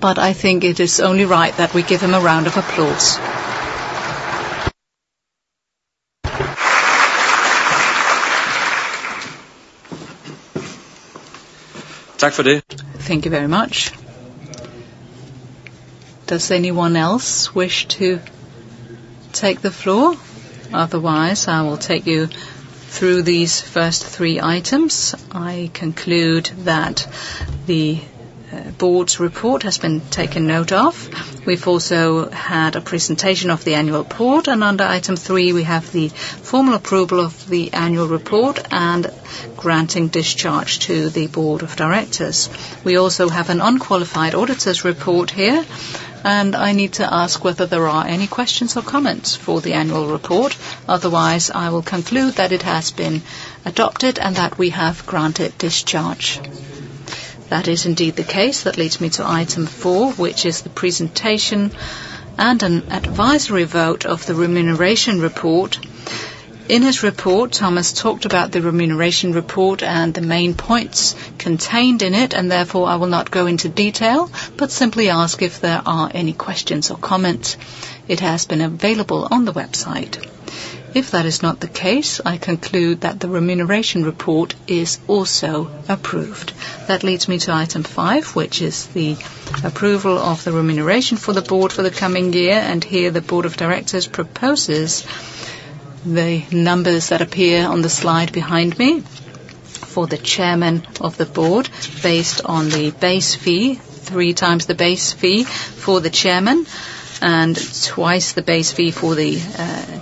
but I think it is only right that we give him a round of applause. Thank you very much. Thank you very much. Does anyone else wish to take the floor? Otherwise, I will take you through these first three items. I conclude that the board's report has been taken note of. We've also had a presentation of the annual report, and under item three, we have the formal approval of the annual report and granting discharge to the board of directors. We also have an unqualified auditor's report here, and I need to ask whether there are any questions or comments for the annual report. Otherwise, I will conclude that it has been adopted and that we have granted discharge. That is indeed the case. That leads me to item four, which is the presentation and an advisory vote of the remuneration report. In his report, Thomas talked about the remuneration report and the main points contained in it, and therefore, I will not go into detail but simply ask if there are any questions or comments. It has been available on the website. If that is not the case, I conclude that the remuneration report is also approved. That leads me to item 5, which is the approval of the remuneration for the board for the coming year, and here the board of directors proposes the numbers that appear on the slide behind me for the chairman of the board based on the base fee, 3 times the base fee for the chairman, and 2 times the base fee for the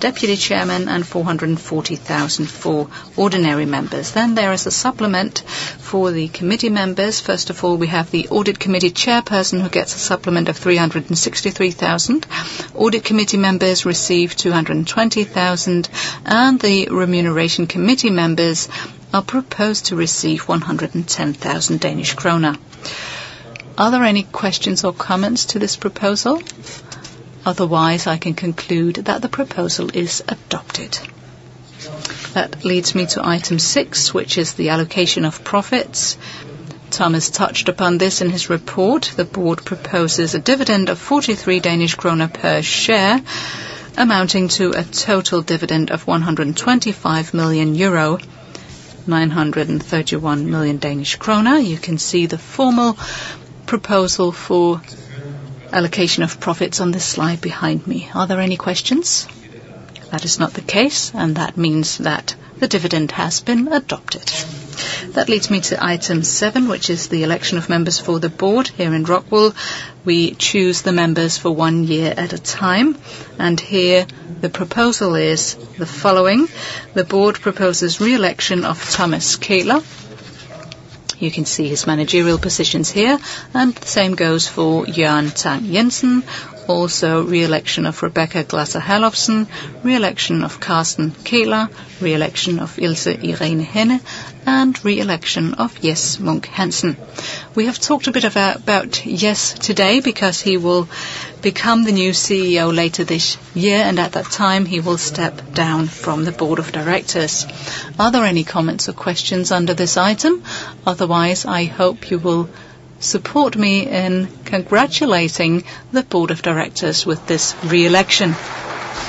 deputy chairman, and 440,000 for ordinary members. Then there is a supplement for the committee members. First of all, we have the audit committee chairperson who gets a supplement of 363,000. Audit committee members receive 220,000, and the remuneration committee members are proposed to receive 110,000 Danish kroner. Are there any questions or comments to this proposal? Otherwise, I can conclude that the proposal is adopted. That leads me to item six, which is the allocation of profits. Thomas touched upon this in his report. The board proposes a dividend of 43 Danish krone per share amounting to a total dividend of 125 million euro, 931 million Danish krone. You can see the formal proposal for allocation of profits on this slide behind me. Are there any questions? That is not the case, and that means that the dividend has been adopted. That leads me to item seven, which is the election of members for the board here in ROCKWOOL. We choose the members for one year at a time, and here the proposal is the following. The board proposes reelection of Thomas Kähler. You can see his managerial positions here, and the same goes for Jørgen Tang-Jensen. Also, reelection of Rebekka Glasser Herlofsen, reelection of Karsten Kähler, reelection of Ilse Henne, and reelection of Jes Munk Hansen. We have talked a bit about Jes today because he will become the new CEO later this year, and at that time, he will step down from the board of directors. Are there any comments or questions under this item? Otherwise, I hope you will support me in congratulating the board of directors with this reelection.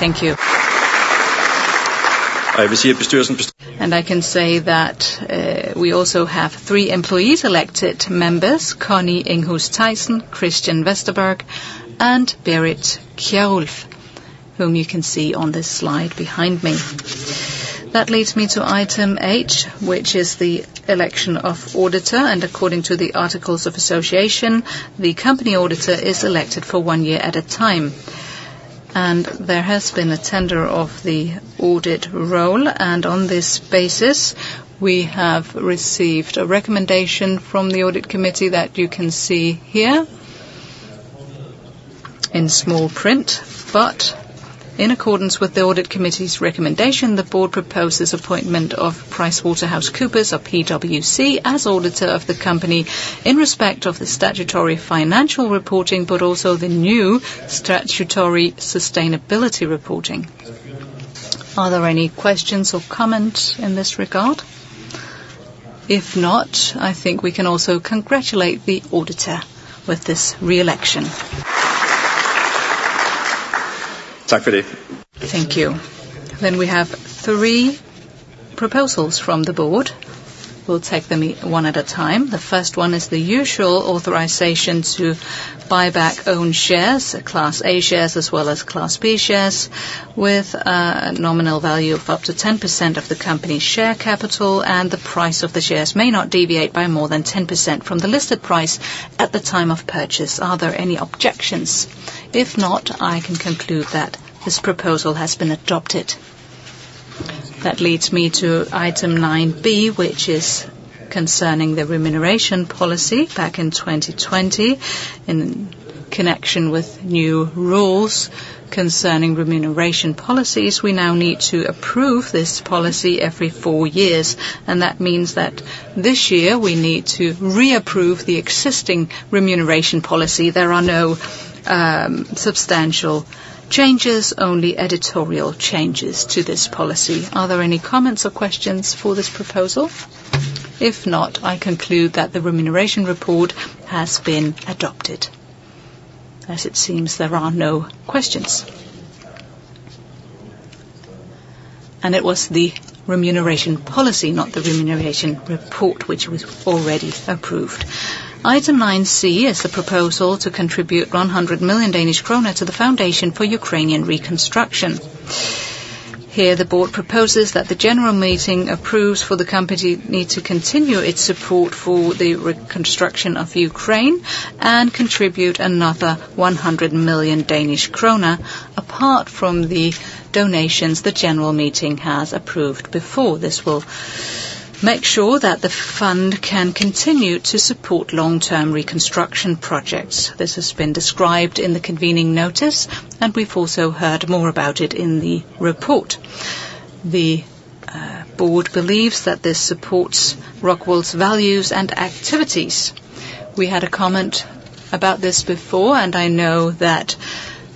Thank you. I can say that we also have three employees elected members: Connie Enghus Theisen, Christian Westerberg, and Berit Kjerulf, whom you can see on this slide behind me. That leads me to item H, which is the election of auditor, and according to the Articles of Association, the company auditor is elected for one year at a time. And there has been a tender of the audit role, and on this basis, we have received a recommendation from the audit committee that you can see here in small print. But in accordance with the audit committee's recommendation, the board proposes appointment of PricewaterhouseCoopers, or PwC, as auditor of the company in respect of the statutory financial reporting but also the new statutory sustainability reporting. Are there any questions or comments in this regard? If not, I think we can also congratulate the auditor with this reelection. Thank you. Thank you. Then we have three proposals from the board. We'll take them one at a time. The first one is the usual authorization to buy back owned shares, class A shares as well as class B shares, with a nominal value of up to 10% of the company's share capital, and the price of the shares may not deviate by more than 10% from the listed price at the time of purchase. Are there any objections? If not, I can conclude that this proposal has been adopted. That leads me to item 9B, which is concerning the remuneration policy back in 2020 in connection with new rules concerning remuneration policies. We now need to approve this policy every four years, and that means that this year, we need to reapprove the existing remuneration policy. There are no substantial changes, only editorial changes to this policy. Are there any comments or questions for this proposal? If not, I conclude that the remuneration report has been adopted. As it seems, there are no questions. It was the remuneration policy, not the remuneration report, which was already approved. Item 9C is the proposal to contribute 100 million Danish krone to the Foundation for Ukrainian Reconstruction. Here, the Board proposes that the general meeting approves for the company need to continue its support for the reconstruction of Ukraine and contribute another 100 million Danish krone apart from the donations the general meeting has approved before. This will make sure that the fund can continue to support long-term reconstruction projects. This has been described in the convening notice, and we've also heard more about it in the report. The Board believes that this supports ROCKWOOL's values and activities. We had a comment about this before, and I know that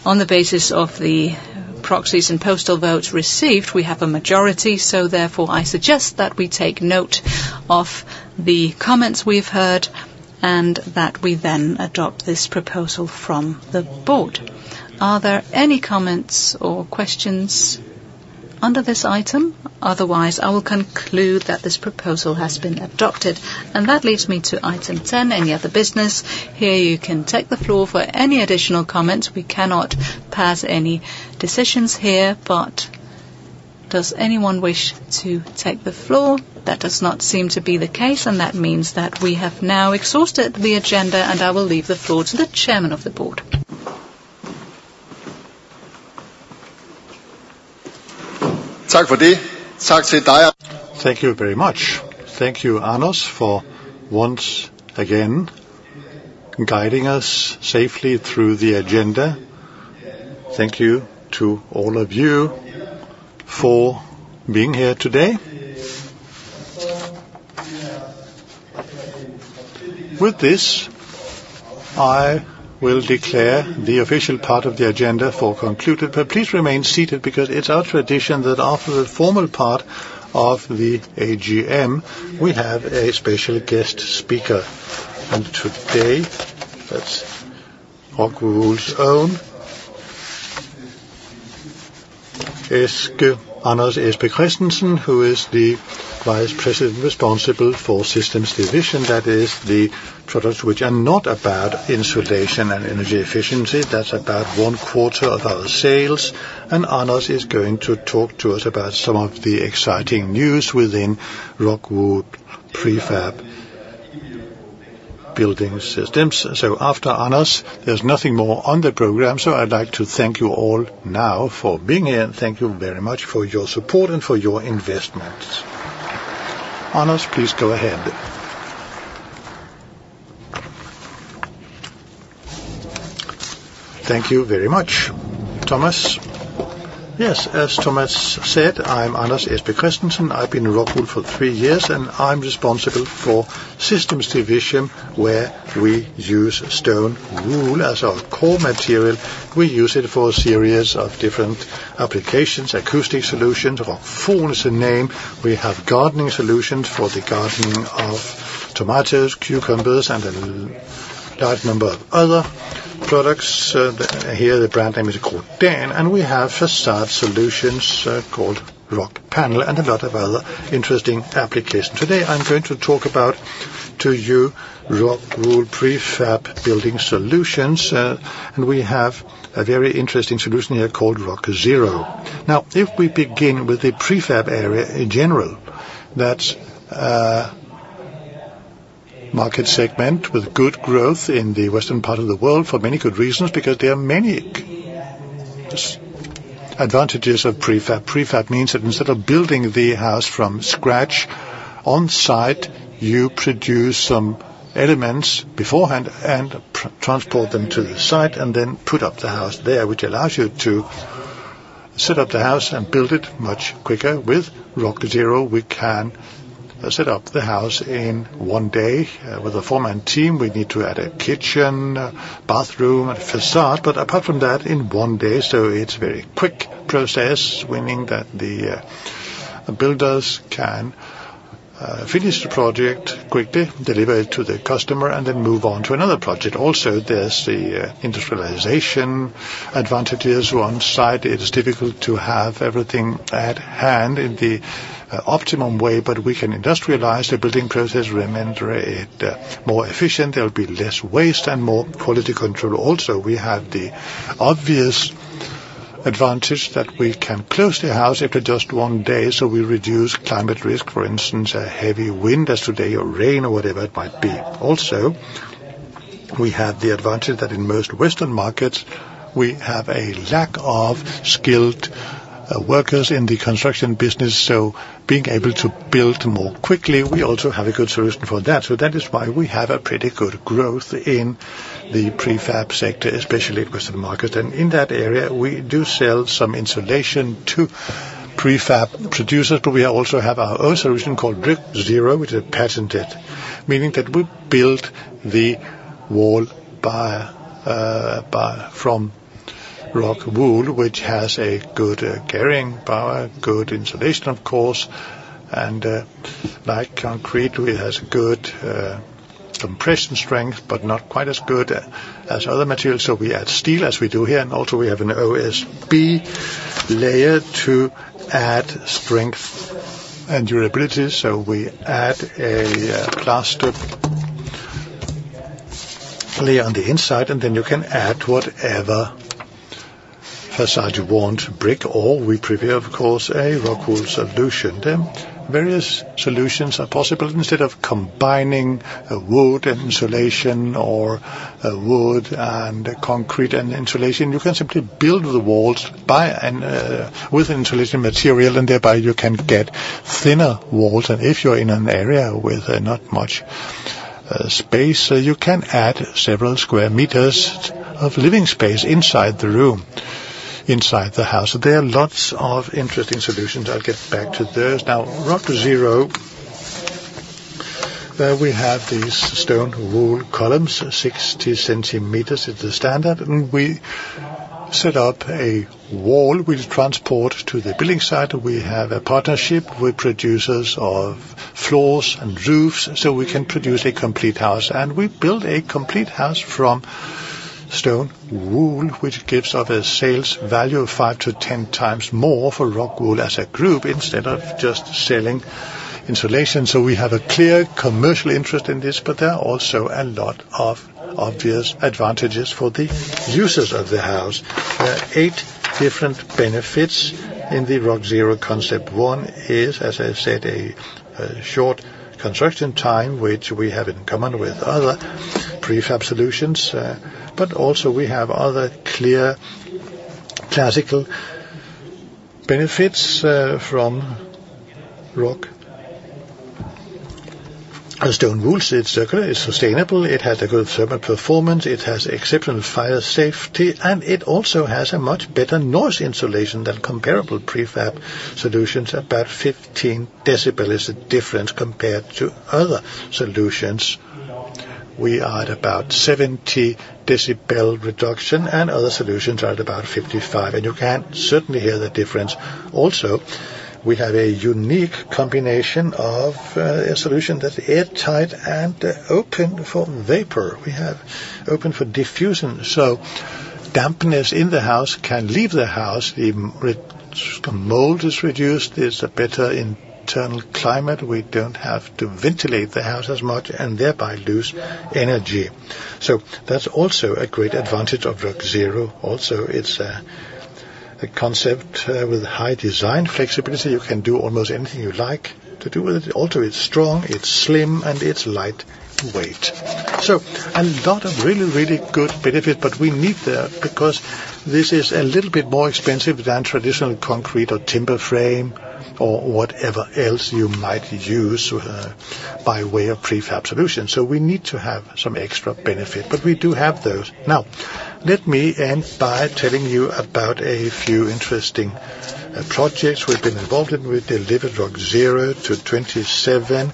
on the basis of the proxies and postal votes received, we have a majority, so therefore, I suggest that we take note of the comments we've heard and that we then adopt this proposal from the Board. Are there any comments or questions under this item? Otherwise, I will conclude that this proposal has been adopted, and that leads me to item 10, any other business. Here, you can take the floor for any additional comments. We cannot pass any decisions here, but does anyone wish to take the floor? That does not seem to be the case, and that means that we have now exhausted the agenda, and I will leave the floor to the Chairman of the Board. Thank you very much. Thank you, Anders, for once again guiding us safely through the agenda. Thank you to all of you for being here today. With this, I will declare the official part of the agenda for concluded, but please remain seated because it's our tradition that after the formal part of the AGM, we have a special guest speaker. And today, that's ROCKWOOL's own, Anders Kristensen, who is the Vice President responsible for Systems Division. That is, the products which are not about insulation and energy efficiency. That's about one quarter of our sales. And Anders is going to talk to us about some of the exciting news within ROCKWOOL prefab building systems. So after Anders, there's nothing more on the program, so I'd like to thank you all now for being here, and thank you very much for your support and for your investments. Anders, please go ahead. Thank you very much, Thomas. Yes, as Thomas said, I'm Anders Kristensen. I've been in ROCKWOOL for three years, and I'm responsible for Systems Division where we use stone wool as our core material. We use it for a series of different applications, acoustic solutions. Rockfon is the name. We have gardening solutions for the gardening of tomatoes, cucumbers, and a large number of other products. Here, the brand name is Grodan, and we have facade solutions called Rockpanel and a lot of other interesting applications. Today, I'm going to talk about to you ROCKWOOL prefab building solutions, and we have a very interesting solution here called Rockzero. Now, if we begin with the prefab area in general, that's a market segment with good growth in the western part of the world for many good reasons because there are many advantages of prefab. Prefab means that instead of building the house from scratch on-site, you produce some elements beforehand and transport them to the site and then put up the house there, which allows you to set up the house and build it much quicker. With Rockzero, we can set up the house in one day with a four-man team. We need to add a kitchen, bathroom, and facade, but apart from that, in one day. So it's a very quick process, meaning that the builders can finish the project quickly, deliver it to the customer, and then move on to another project. Also, there's the industrialization advantages. On-site, it is difficult to have everything at hand in the optimum way, but we can industrialize the building process, render it more efficient. There'll be less waste and more quality control also. We have the obvious advantage that we can close the house after just one day, so we reduce climate risk, for instance, heavy wind as today or rain or whatever it might be. Also, we have the advantage that in most western markets, we have a lack of skilled workers in the construction business, so being able to build more quickly, we also have a good solution for that. So that is why we have a pretty good growth in the prefab sector, especially in western markets. And in that area, we do sell some insulation to prefab producers, but we also have our own solution called Rockzero, which is patented, meaning that we build the wall from ROCKWOOL, which has a good getting power, good insulation, of course. And like concrete, it has good compression strength but not quite as good as other materials, so we add steel as we do here. And also, we have an OSB layer to add strength and durability. So we add a plaster layer on the inside, and then you can add whatever facade you want, brick or we prefer, of course, a ROCKWOOL solution. Various solutions are possible. Instead of combining wood and insulation or wood and concrete and insulation, you can simply build the walls with an insulation material, and thereby, you can get thinner walls. And if you're in an area with not much space, you can add several square meters of living space inside the house, so there are lots of interesting solutions. I'll get back to those. Now, Rockzero, we have these stone wool columns, 60 centimeters is the standard. And we set up a wall. We transport to the building site. We have a partnership with producers of floors and roofs, so we can produce a complete house. We build a complete house from stone wool, which gives us a sales value of 5-10 times more for ROCKWOOL as a group instead of just selling insulation. So we have a clear commercial interest in this, but there are also a lot of obvious advantages for the users of the house. There are eight different benefits in the Rockzero concept. One is, as I said, a short construction time, which we have in common with other prefab solutions. But also, we have other clear classical benefits from ROCKWOOL. Stone wool is circular, it's sustainable, it has a good thermal performance, it has exceptional fire safety, and it also has a much better noise insulation than comparable prefab solutions. About 15 decibels is the difference compared to other solutions. We are at about 70 decibel reduction, and other solutions are at about 55, and you can certainly hear the difference also. We have a unique combination of a solution that's airtight and open for vapor. We have open for diffusion, so dampness in the house can leave the house. The mold is reduced. It's a better internal climate. We don't have to ventilate the house as much and thereby lose energy. So that's also a great advantage of Rockzero. Also, it's a concept with high design flexibility. You can do almost anything you like to do with it. Also, it's strong, it's slim, and it's lightweight. So a lot of really, really good benefits, but we need them because this is a little bit more expensive than traditional concrete or timber frame or whatever else you might use by way of prefab solutions. So we need to have some extra benefit, but we do have those. Now, let me end by telling you about a few interesting projects we've been involved in. We delivered Rockzero to 27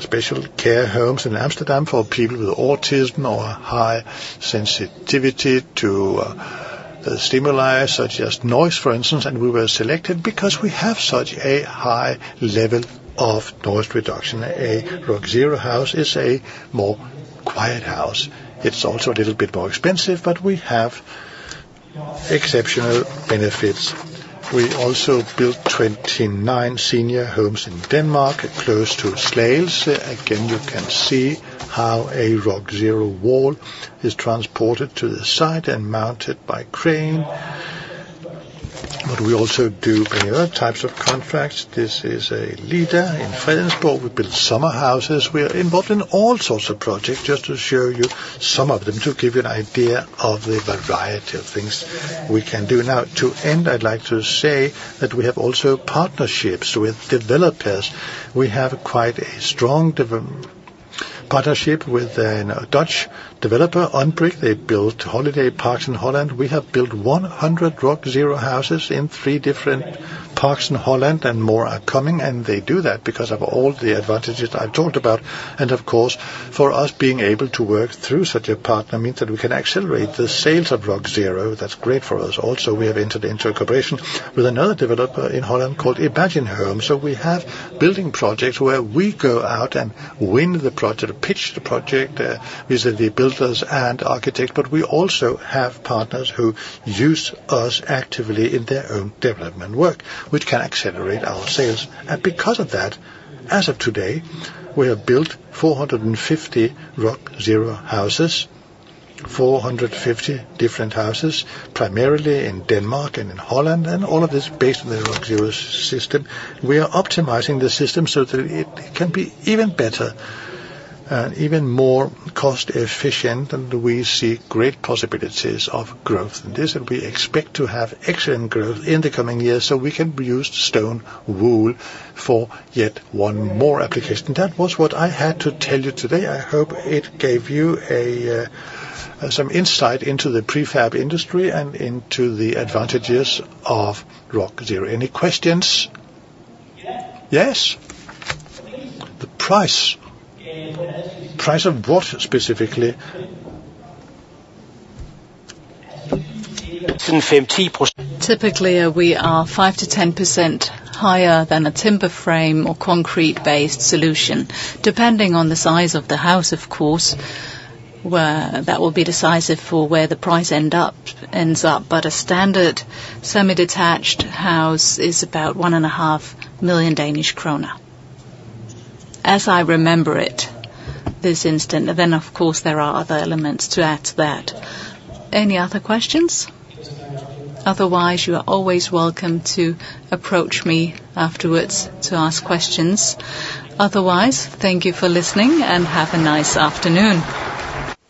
special care homes in Amsterdam for people with autism or high sensitivity to stimuli such as noise, for instance. And we were selected because we have such a high level of noise reduction. A Rockzero house is a more quiet house. It's also a little bit more expensive, but we have exceptional benefits. We also built 29 senior homes in Denmark close to Slagelse. Again, you can see how a Rockzero wall is transported to the site and mounted by crane. But we also do many other types of contracts. This is a Leda in Fredensborg. We build summer houses. We are involved in all sorts of projects, just to show you some of them to give you an idea of the variety of things we can do. Now, to end, I'd like to say that we have also partnerships with developers. We have quite a strong partnership with a Dutch developer, Unbrick. They built holiday parks in Holland. We have built 100 Rockzero houses in three different parks in Holland, and more are coming. And they do that because of all the advantages I've talked about. And of course, for us, being able to work through such a partner means that we can accelerate the sales of Rockzero. That's great for us. Also, we have entered into a cooperation with another developer in Holland calledEmergo. So we have building projects where we go out and win the project, pitch the project, visit the builders and architects. But we also have partners who use us actively in their own development work, which can accelerate our sales. And because of that, as of today, we have built 450 Rockzero houses, 450 different houses, primarily in Denmark and in Holland. And all of this based on the Rockzero system. We are optimizing the system so that it can be even better and even more cost-efficient, and we see great possibilities of growth in this. And we expect to have excellent growth in the coming years so we can use stone wool for yet one more application. That was what I had to tell you today. I hope it gave you some insight into the prefab industry and into the advantages of Rockzero. Any questions? Yes. Yes? The price? The price of what specifically? Typically, we are 5%-10% higher than a timber frame or concrete-based solution, depending on the size of the house, of course. That will be decisive for where the price ends up. But a standard semi-detached house is about 1.5 million Danish krone, as I remember it, this instant. And then, of course, there are other elements to add to that. Any other questions? Otherwise, you are always welcome to approach me afterwards to ask questions. Otherwise, thank you for listening and have a nice afternoon.